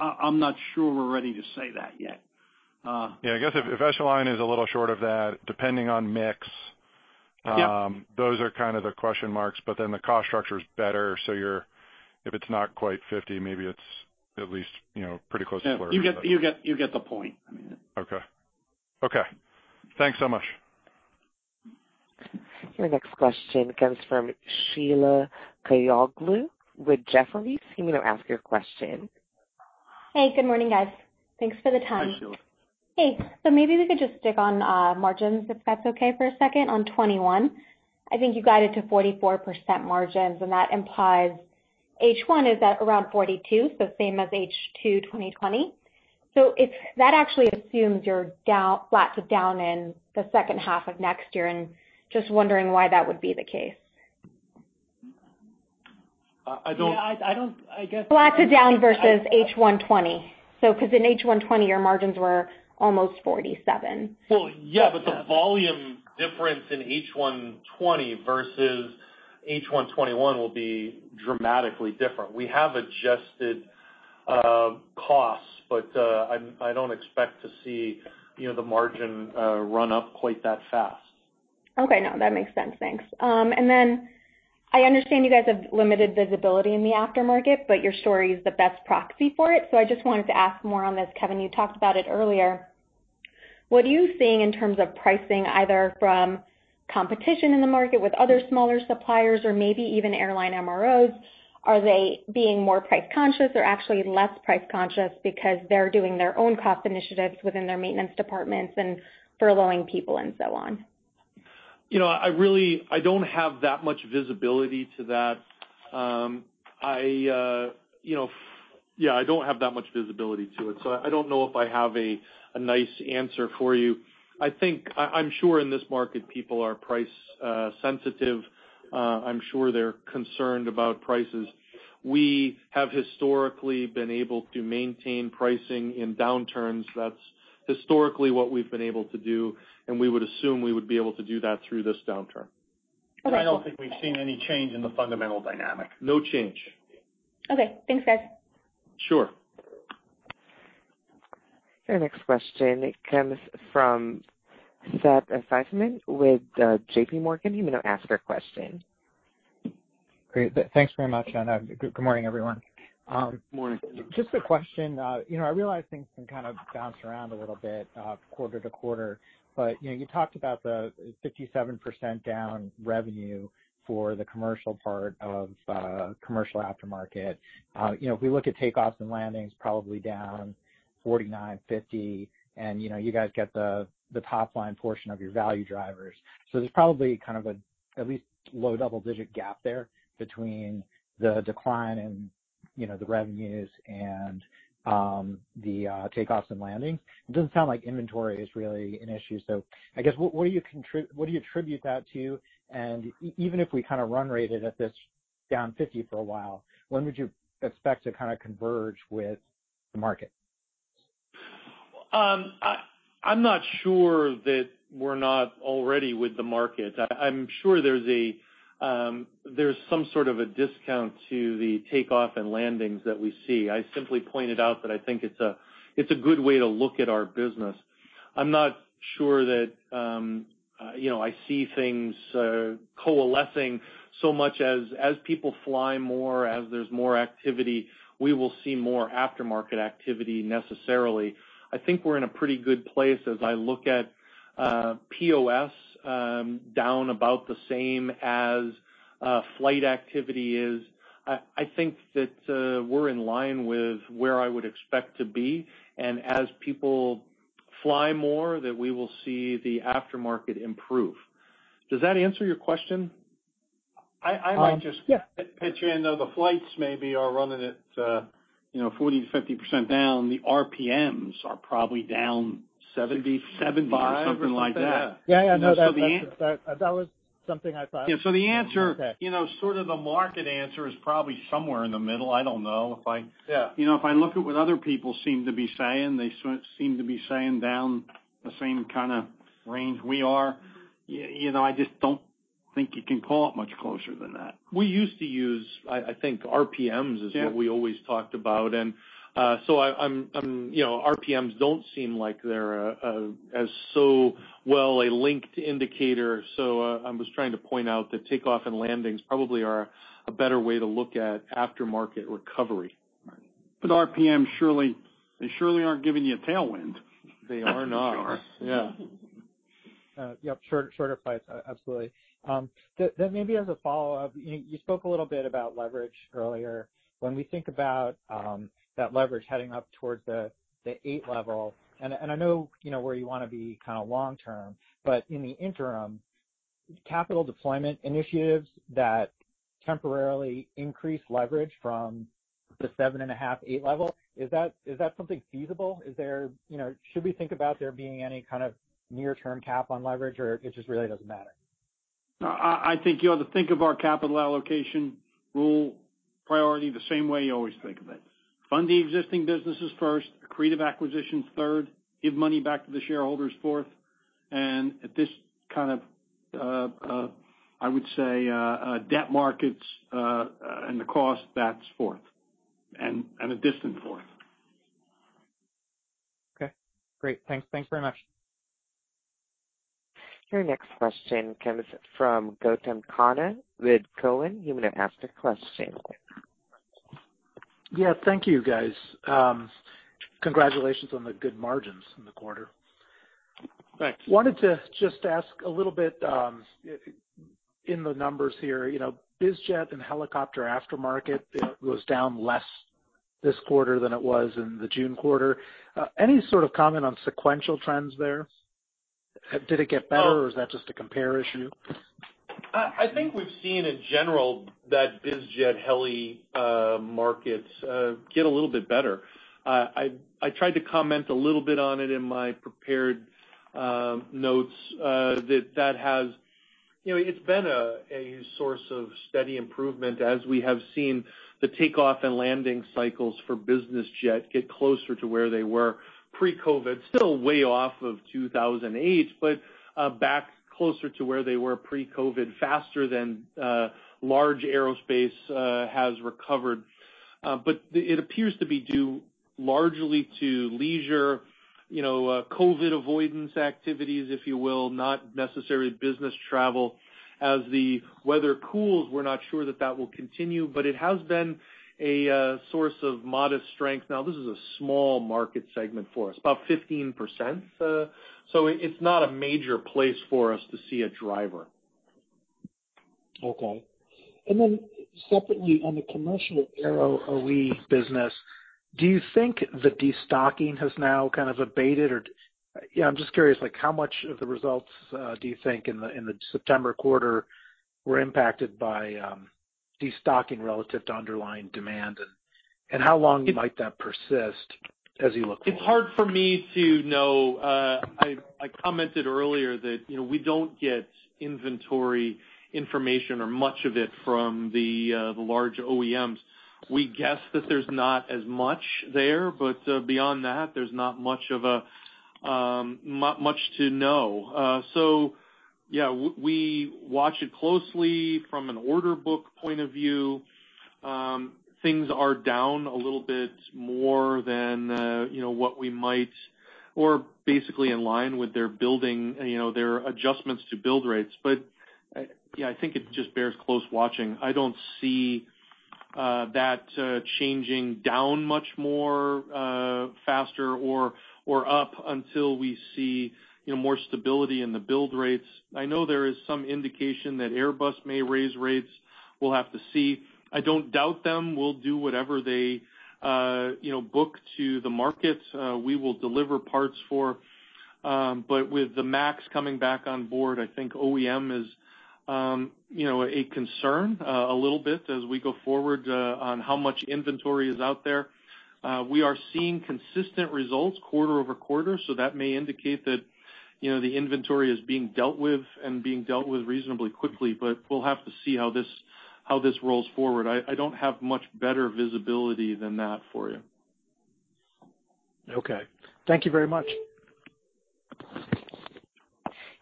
I'm not sure we're ready to say that yet. I guess if Esterline is a little short of that, depending on mix- Yep Those are kind of the question marks, but then the cost structure is better, so if it's not quite 50%, maybe it's at least pretty close to 40%. You get the point. I mean. Okay. Thanks so much. Your next question comes from Sheila Kahyaoglu with Jefferies. You may now ask your question. Hey. Good morning, guys. Thanks for the time. Hi, Sheila. Hey. Maybe we could just stick on margins, if that's okay, for a second, on 2021. I think you guided to 44% margins, and that implies H1 is at around 42%, so same as H2 2020. That actually assumes you're flat to down in the second half of next year and just wondering why that would be the case? I don't-- Yeah. Flats are down versus H1 2020. Because in H1 2020, your margins were almost 47%. Well, yeah. The volume difference in H1 2020 versus H1 2021 will be dramatically different. We have adjusted costs, but I don't expect to see the margin run up quite that fast. Okay. No, that makes sense. Thanks. I understand you guys have limited visibility in the aftermarket, but your story is the best proxy for it. I just wanted to ask more on this. Kevin, you talked about it earlier. What are you seeing in terms of pricing, either from competition in the market with other smaller suppliers or maybe even airline MROs? Are they being more price conscious or actually less price conscious because they're doing their own cost initiatives within their maintenance departments and furloughing people and so on? I don't have that much visibility to it, so I don't know if I have a nice answer for you. I'm sure in this market, people are price sensitive. I'm sure they're concerned about prices. We have historically been able to maintain pricing in downturns. That's historically what we've been able to do, and we would assume we would be able to do that through this downturn. Okay. I don't think we've seen any change in the fundamental dynamic. No change. Okay. Thanks, guys. Sure. Your next question comes from Seth Seifman with JPMorgan. You may now ask your question. Great. Thanks very much, and good morning, everyone. Morning. Just a question. I realize things can kind of bounce around a little bit quarter to quarter, but you talked about the 57% down revenue for the commercial part of commercial aftermarket. If we look at takeoffs and landings, probably down 49%, 50%, and you guys get the top line portion of your value drivers. There's probably kind of at least low double-digit gap there between the decline in the revenues and the takeoffs and landings. It doesn't sound like inventory is really an issue. I guess, what do you attribute that to? Even if we kind of run rate it at this down 50% for a while, when would you expect to kind of converge with the market? I'm not sure that we're not already with the market. I'm sure there's some sort of a discount to the takeoff and landings that we see. I simply pointed out that I think it's a good way to look at our business. I'm not sure that I see things coalescing so much as people fly more, as there's more activity, we will see more aftermarket activity necessarily. I think we're in a pretty good place as I look at POS down about the same as flight activity is. I think that we're in line with where I would expect to be, and as people fly more, that we will see the aftermarket improve. Does that answer your question? I might just- Yeah pitch in, though the flights may be are running at 40%-50% down, the RPMs are probably down 70%- 70% or something like that. Yeah. No, that was something I thought. Yeah. Okay sort of the market answer is probably somewhere in the middle. I don't know. Yeah I look at what other people seem to be saying, they seem to be saying down the same kind of range we are. I just don't think you can call it much closer than that. We used to use, I think, RPMs is what we always talked about. RPMs don't seem like they're as so well a linked indicator. I was trying to point out that takeoff and landings probably are a better way to look at aftermarket recovery. RPMs, they surely aren't giving you a tailwind. They are not. Sure. Yeah. Yep. Shorter flights. Absolutely. Maybe as a follow-up, you spoke a little bit about leverage earlier. When we think about that leverage heading up towards the eight level, and I know where you want to be long term, but in the interim, capital deployment initiatives that temporarily increase leverage from the 7.5, eight level, is that something feasible? Should we think about there being any kind of near term cap on leverage, or it just really doesn't matter? I think you ought to think of our capital allocation rule priority the same way you always think of it. Fund the existing businesses first, accretive acquisitions third, give money back to the shareholders fourth. At this kind of, I would say, debt markets, and the cost that's fourth, and a distant fourth. Okay, great. Thanks very much. Your next question comes from Gautam Khanna with Cowen. You may now ask your question. Yeah. Thank you, guys. Congratulations on the good margins in the quarter. Thanks. Wanted to just ask a little bit, in the numbers here, biz jet and helicopter aftermarket was down less this quarter than it was in the June quarter. Any sort of comment on sequential trends there? Did it get better, or is that just a compare issue? I think we've seen in general that biz jet heli markets get a little bit better. I tried to comment a little bit on it in my prepared notes, that it's been a source of steady improvement as we have seen the takeoff and landing cycles for business jet get closer to where they were pre-COVID. Still way off of 2008, back closer to where they were pre-COVID, faster than large aerospace has recovered. It appears to be due largely to leisure, COVID avoidance activities, if you will, not necessarily business travel. As the weather cools, we're not sure that that will continue, but it has been a source of modest strength. Now, this is a small market segment for us, about 15%, so it's not a major place for us to see a driver. Okay. Separately, on the commercial aero OE business, do you think the destocking has now kind of abated or I'm just curious, how much of the results do you think in the September quarter were impacted by destocking relative to underlying demand? How long might that persist as you look forward? It's hard for me to know. I commented earlier that we don't get inventory information or much of it from the large OEMs. We guess that there's not as much there. Beyond that, there's not much to know. Yeah, we watch it closely from an order book point of view. Things are down a little bit more than what we might or basically in line with their adjustments to build rates. Yeah, I think it just bears close watching. I don't see that changing down much more faster or up until we see more stability in the build rates. I know there is some indication that Airbus may raise rates. We'll have to see. I don't doubt them. We'll do whatever they book to the market, we will deliver parts for. With the MAX coming back on board, I think OEM is a concern a little bit as we go forward, on how much inventory is out there. We are seeing consistent results quarter-over-quarter, so that may indicate that the inventory is being dealt with and being dealt with reasonably quickly, but we'll have to see how this rolls forward. I don't have much better visibility than that for you. Okay. Thank you very much.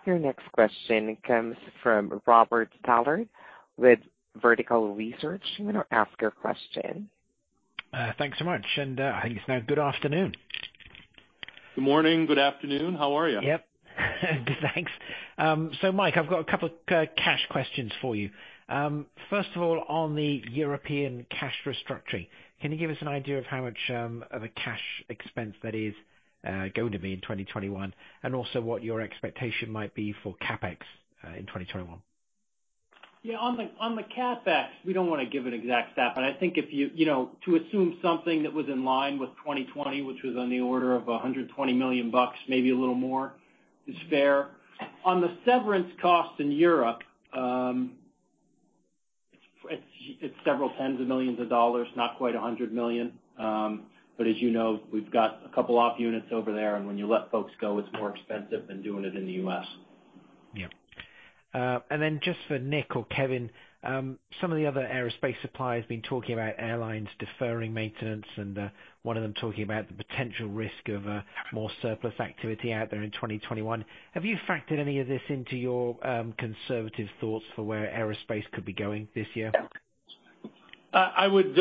Your next question comes from Robert Stallard with Vertical Research. You may now ask your question. Thanks so much. I think it's now good afternoon. Good morning, good afternoon. How are you? Yep. Thanks. Mike, I've got two cash questions for you. First of all, on the European cash restructuring, can you give us an idea of how much of a cash expense that is going to be in 2021, and also what your expectation might be for CapEx in 2021? Yeah. On the CapEx, we don't want to give an exact stat, but I think to assume something that was in line with 2020, which was on the order of $120 million, maybe a little more, is fair. On the severance cost in Europe, it's several tens of millions of dollars, not quite $100 million. As you know, we've got a couple op units over there, and when you let folks go, it's more expensive than doing it in the U.S. Yeah. Just for Nick or Kevin, some of the other aerospace suppliers have been talking about airlines deferring maintenance and one of them talking about the potential risk of more surplus activity out there in 2021. Have you factored any of this into your conservative thoughts for where aerospace could be going this year? I would,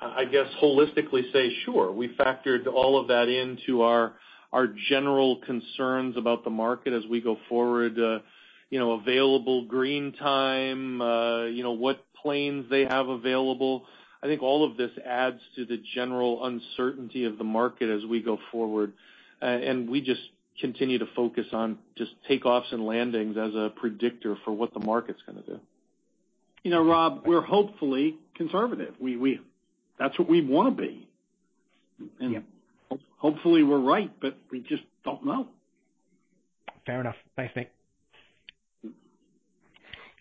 I guess, holistically say, sure. We factored all of that into our general concerns about the market as we go forward, available green time, what planes they have available. I think all of this adds to the general uncertainty of the market as we go forward. We just continue to focus on just takeoffs and landings as a predictor for what the market's going to do. Rob, we're hopefully conservative. That's what we want to be. Yeah. Hopefully we're right, but we just don't know. Fair enough. Thanks, Nick.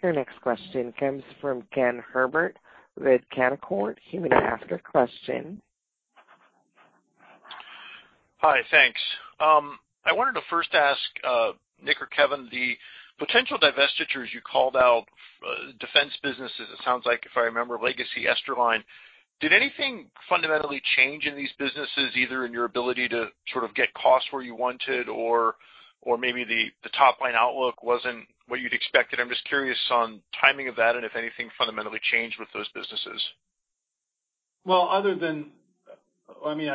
Your next question comes from Ken Herbert with Canaccord. You may ask your question. Hi, thanks. I wanted to first ask Nick or Kevin, the potential divestitures you called out, defense businesses, it sounds like, if I remember, legacy Esterline. Did anything fundamentally change in these businesses, either in your ability to sort of get costs where you wanted or maybe the top line outlook wasn't what you'd expected? I'm just curious on timing of that and if anything fundamentally changed with those businesses. Well, I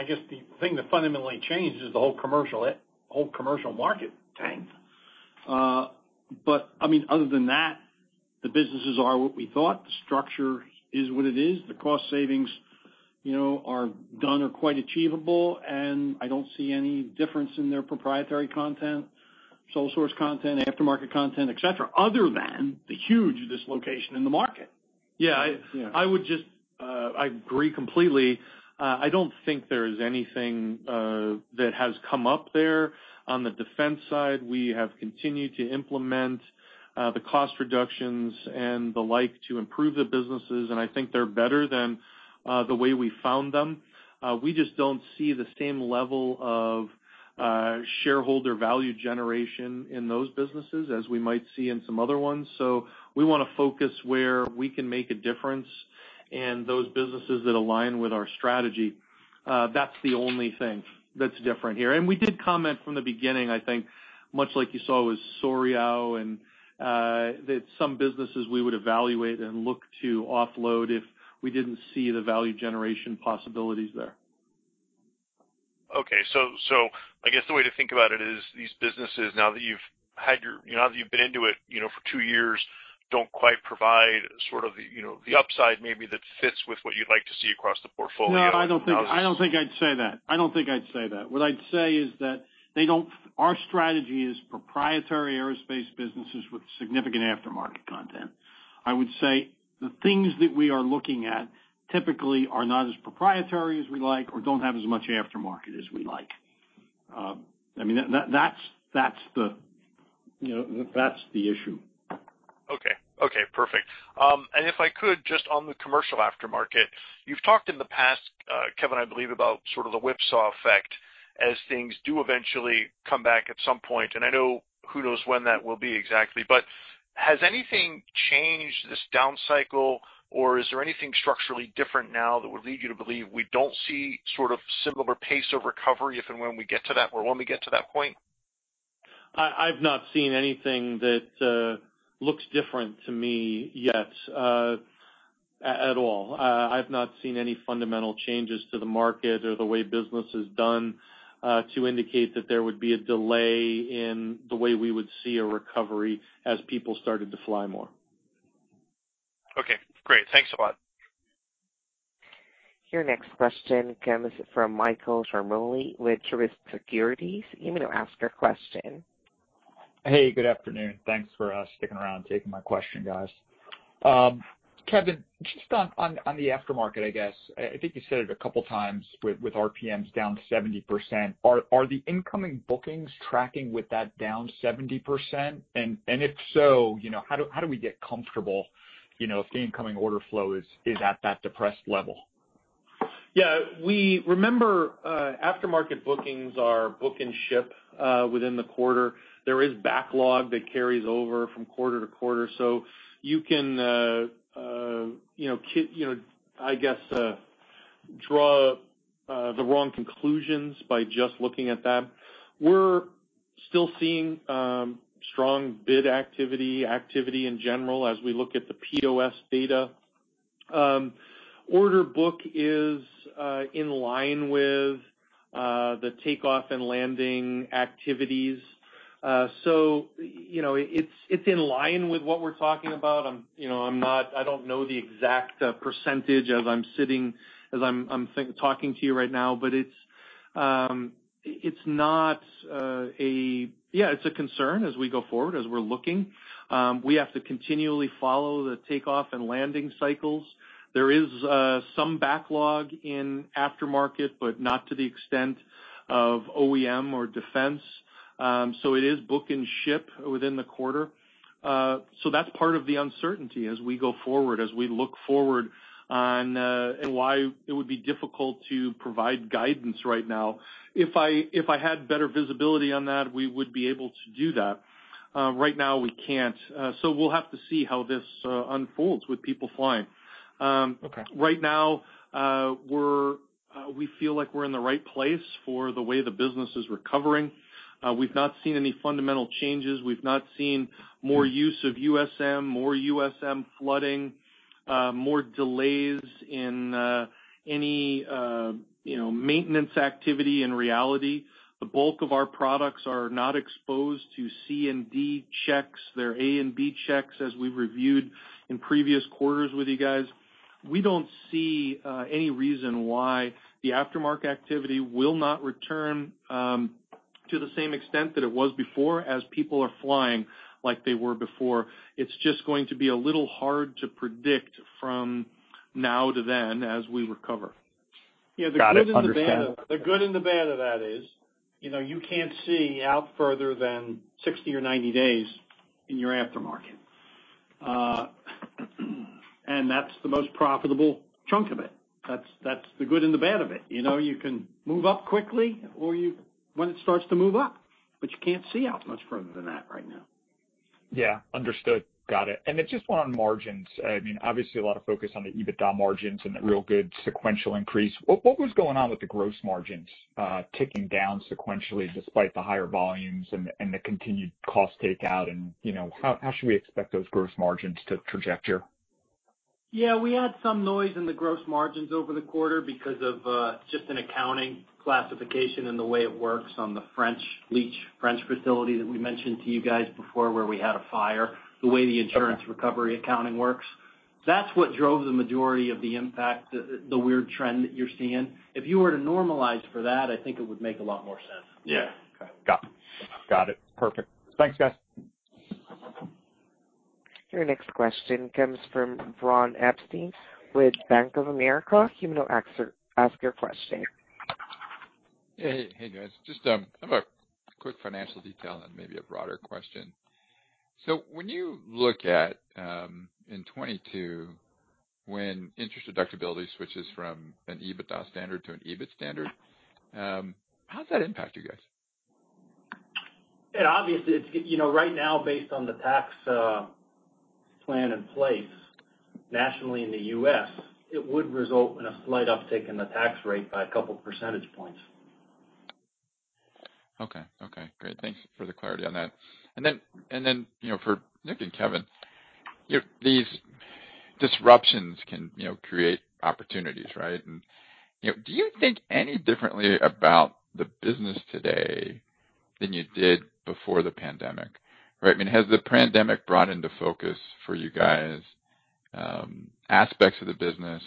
guess the thing that fundamentally changed is the whole commercial market tanked. Other than that, the businesses are what we thought. The structure is what it is. The cost savings done are quite achievable, and I don't see any difference in their proprietary content, sole source content, aftermarket content, et cetera, other than the huge dislocation in the market. I agree completely. I don't think there is anything that has come up there. On the defense side, we have continued to implement the cost reductions and the like to improve the businesses, and I think they're better than the way we found them. We just don't see the same level of shareholder value generation in those businesses as we might see in some other ones. We want to focus where we can make a difference and those businesses that align with our strategy. That's the only thing that's different here. We did comment from the beginning, I think, much like you saw with Souriau, that some businesses we would evaluate and look to offload if we didn't see the value generation possibilities there. Okay. I guess the way to think about it is these businesses, now that you've been into it for two years, don't quite provide sort of the upside maybe that fits with what you'd like to see across the portfolio. No, I don't think I'd say that. What I'd say is that our strategy is proprietary aerospace businesses with significant aftermarket content. I would say the things that we are looking at typically are not as proprietary as we like or don't have as much aftermarket as we like. That's the issue. Okay. Perfect. If I could, just on the commercial aftermarket, you've talked in the past, Kevin, I believe, about sort of the whipsaw effect as things do eventually come back at some point, and I know who knows when that will be exactly. Has anything changed this down cycle, or is there anything structurally different now that would lead you to believe we don't see sort of similar pace of recovery if and when we get to that point? I've not seen anything that looks different to me yet at all. I've not seen any fundamental changes to the market or the way business is done to indicate that there would be a delay in the way we would see a recovery as people started to fly more. Okay, great. Thanks a lot. Your next question comes from Michael Ciarmoli with Truist Securities. You may now ask your question. Hey, good afternoon. Thanks for sticking around and taking my question, guys. Kevin, just on the aftermarket, I guess. I think you said it a couple of times with RPMs down 70%. Are the incoming bookings tracking with that down 70%? And if so, how do we get comfortable if the incoming order flow is at that depressed level? Yeah. Remember, aftermarket bookings are book and ship within the quarter. There is backlog that carries over from quarter to quarter. You can, I guess, draw the wrong conclusions by just looking at that. We're still seeing strong bid activity in general, as we look at the POS data. Order book is in line with the takeoff and landing activities. It's in line with what we're talking about. I don't know the exact percentage as I'm talking to you right now, but it's a concern as we go forward, as we're looking. We have to continually follow the takeoff and landing cycles. There is some backlog in aftermarket, but not to the extent of OEM or defense. It is book and ship within the quarter. That's part of the uncertainty as we go forward, as we look forward, and why it would be difficult to provide guidance right now. If I had better visibility on that, we would be able to do that. Right now, we can't. We'll have to see how this unfolds with people flying. Okay. Right now, we feel like we're in the right place for the way the business is recovering. We've not seen any fundamental changes. We've not seen more use of USM, more USM flooding, more delays in any maintenance activity in reality. The bulk of our products are not exposed to C and D checks. They're A and B checks, as we've reviewed in previous quarters with you guys. We don't see any reason why the aftermarket activity will not return to the same extent that it was before, as people are flying like they were before. It's just going to be a little hard to predict from now to then as we recover. Got it. Understand. The good and the bad of that is you can't see out further than 60 or 90 days in your aftermarket. That's the most profitable chunk of it. That's the good and the bad of it. You can move up quickly when it starts to move up, but you can't see out much further than that right now. Yeah. Understood. Got it. Just one on margins. Obviously, a lot of focus on the EBITDA margins and the real good sequential increase. What was going on with the gross margins ticking down sequentially despite the higher volumes and the continued cost takeout? How should we expect those gross margins to trajectory? We had some noise in the gross margins over the quarter because of just an accounting classification and the way it works on the French Leach, French facility that we mentioned to you guys before, where we had a fire, the way the insurance recovery accounting works. That's what drove the majority of the impact, the weird trend that you're seeing. If you were to normalize for that, I think it would make a lot more sense. Okay. Got it. Perfect. Thanks, guys. Your next question comes from Ron Epstein with Bank of America. You may now ask your question. Hey, guys. Just have a quick financial detail and maybe a broader question. When you look at, in 2022, when interest deductibility switches from an EBITDA standard to an EBIT standard, how does that impact you guys? Right now, based on the tax plan in place nationally in the U.S., it would result in a slight uptick in the tax rate by a couple percentage points. Okay. Great. Thanks for the clarity on that. For Nick and Kevin, these disruptions can create opportunities, right? Do you think any differently about the business today than you did before the pandemic? Has the pandemic brought into focus for you guys aspects of the business,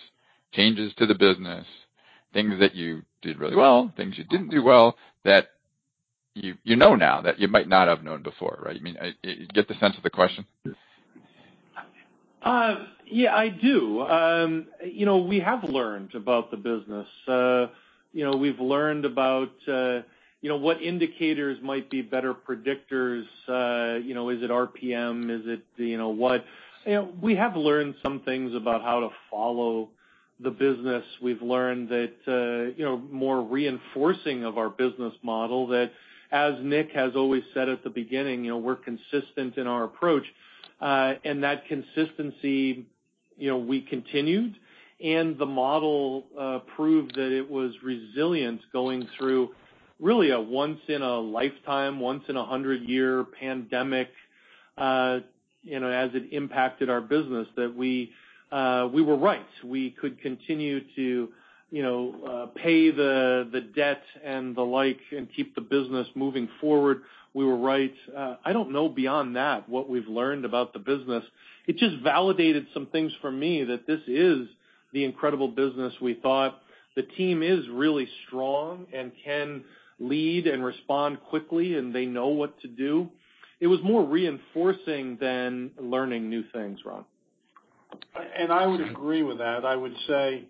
changes to the business, things that you did really well, things you didn't do well, that you know now that you might not have known before? You get the sense of the question? Yeah, I do. We have learned about the business. We've learned about what indicators might be better predictors. Is it RPM? Is it what? We have learned some things about how to follow the business. We've learned that more reinforcing of our business model that, as Nick has always said at the beginning, we're consistent in our approach. That consistency, we continued, and the model proved that it was resilient going through really a once in a lifetime, once in 100 year pandemic as it impacted our business, that we were right. We could continue to pay the debt and the like and keep the business moving forward. We were right. I don't know beyond that what we've learned about the business. It just validated some things for me that this is the incredible business we thought. The team is really strong and can lead and respond quickly, and they know what to do. It was more reinforcing than learning new things, Ron. I would agree with that. I would say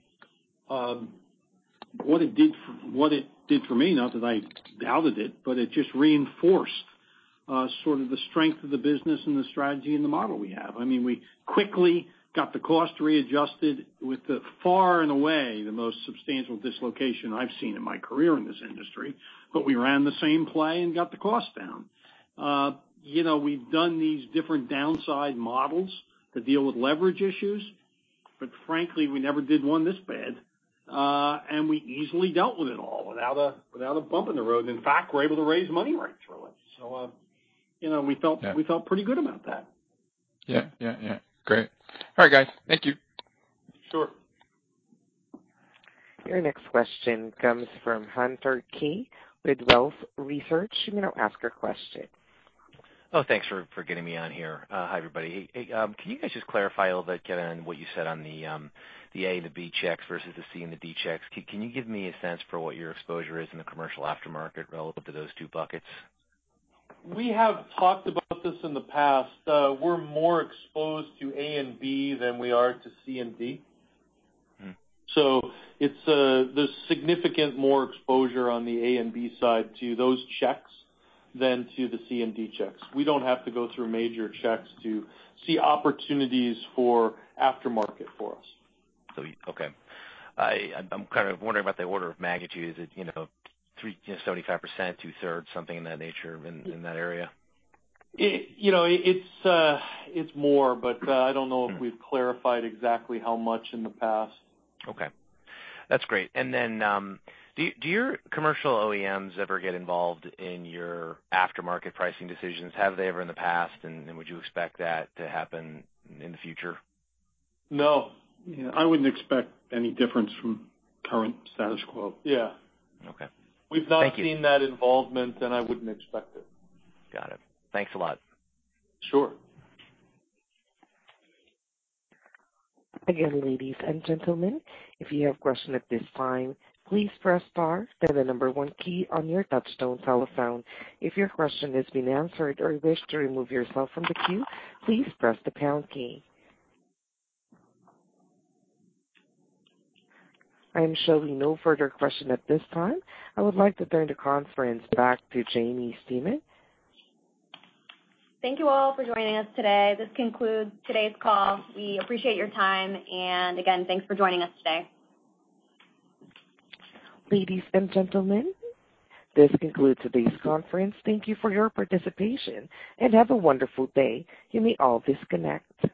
what it did for me, not that I doubted it, but it just reinforced sort of the strength of the business and the strategy and the model we have. We quickly got the cost readjusted with the far and away the most substantial dislocation I’ve seen in my career in this industry. We ran the same play and got the cost down. We’ve done these different downside models to deal with leverage issues, but frankly, we never did one this bad. We easily dealt with it all without a bump in the road. In fact, we’re able to raise money right through it. We felt pretty good about that. Yeah. Great. All right, guys. Thank you. Sure. Your next question comes from Hunter Keay with Wolfe Research. You may now ask your question. Oh, thanks for getting me on here. Hi, everybody. Can you guys just clarify a little bit, Kevin, on what you said on the A and the B checks versus the C and the D checks? Can you give me a sense for what your exposure is in the commercial aftermarket relevant to those two buckets? We have talked about this in the past. We're more exposed to A and B than we are to C and D. It's the significant more exposure on the A and B side to those checks than to the C and D checks. We don't have to go through major checks to see opportunities for aftermarket for us. Okay. I'm kind of wondering about the order of magnitude. Is it 75%, two-thirds, something in that nature, in that area? It's more, but I don't know if we've clarified exactly how much in the past. Okay. That's great. Do your commercial OEMs ever get involved in your aftermarket pricing decisions? Have they ever in the past, and would you expect that to happen in the future? No. I wouldn't expect any difference from current status quo. Yeah. Okay. Thank you. We've not seen that involvement, and I wouldn't expect it. Got it. Thanks a lot. Sure. Again, ladies and gentlemen, if you have question at this time, please press star, then the number one key on your touch-tone telephone. If your question has been answered or you wish to remove yourself from the queue, please press the pound key. I am showing no further question at this time. I would like to turn the conference back to Jaimie Stemen. Thank you all for joining us today. This concludes today's call. We appreciate your time, and again, thanks for joining us today. Ladies and gentlemen, this concludes today's conference. Thank you for your participation, and have a wonderful day. You may all disconnect.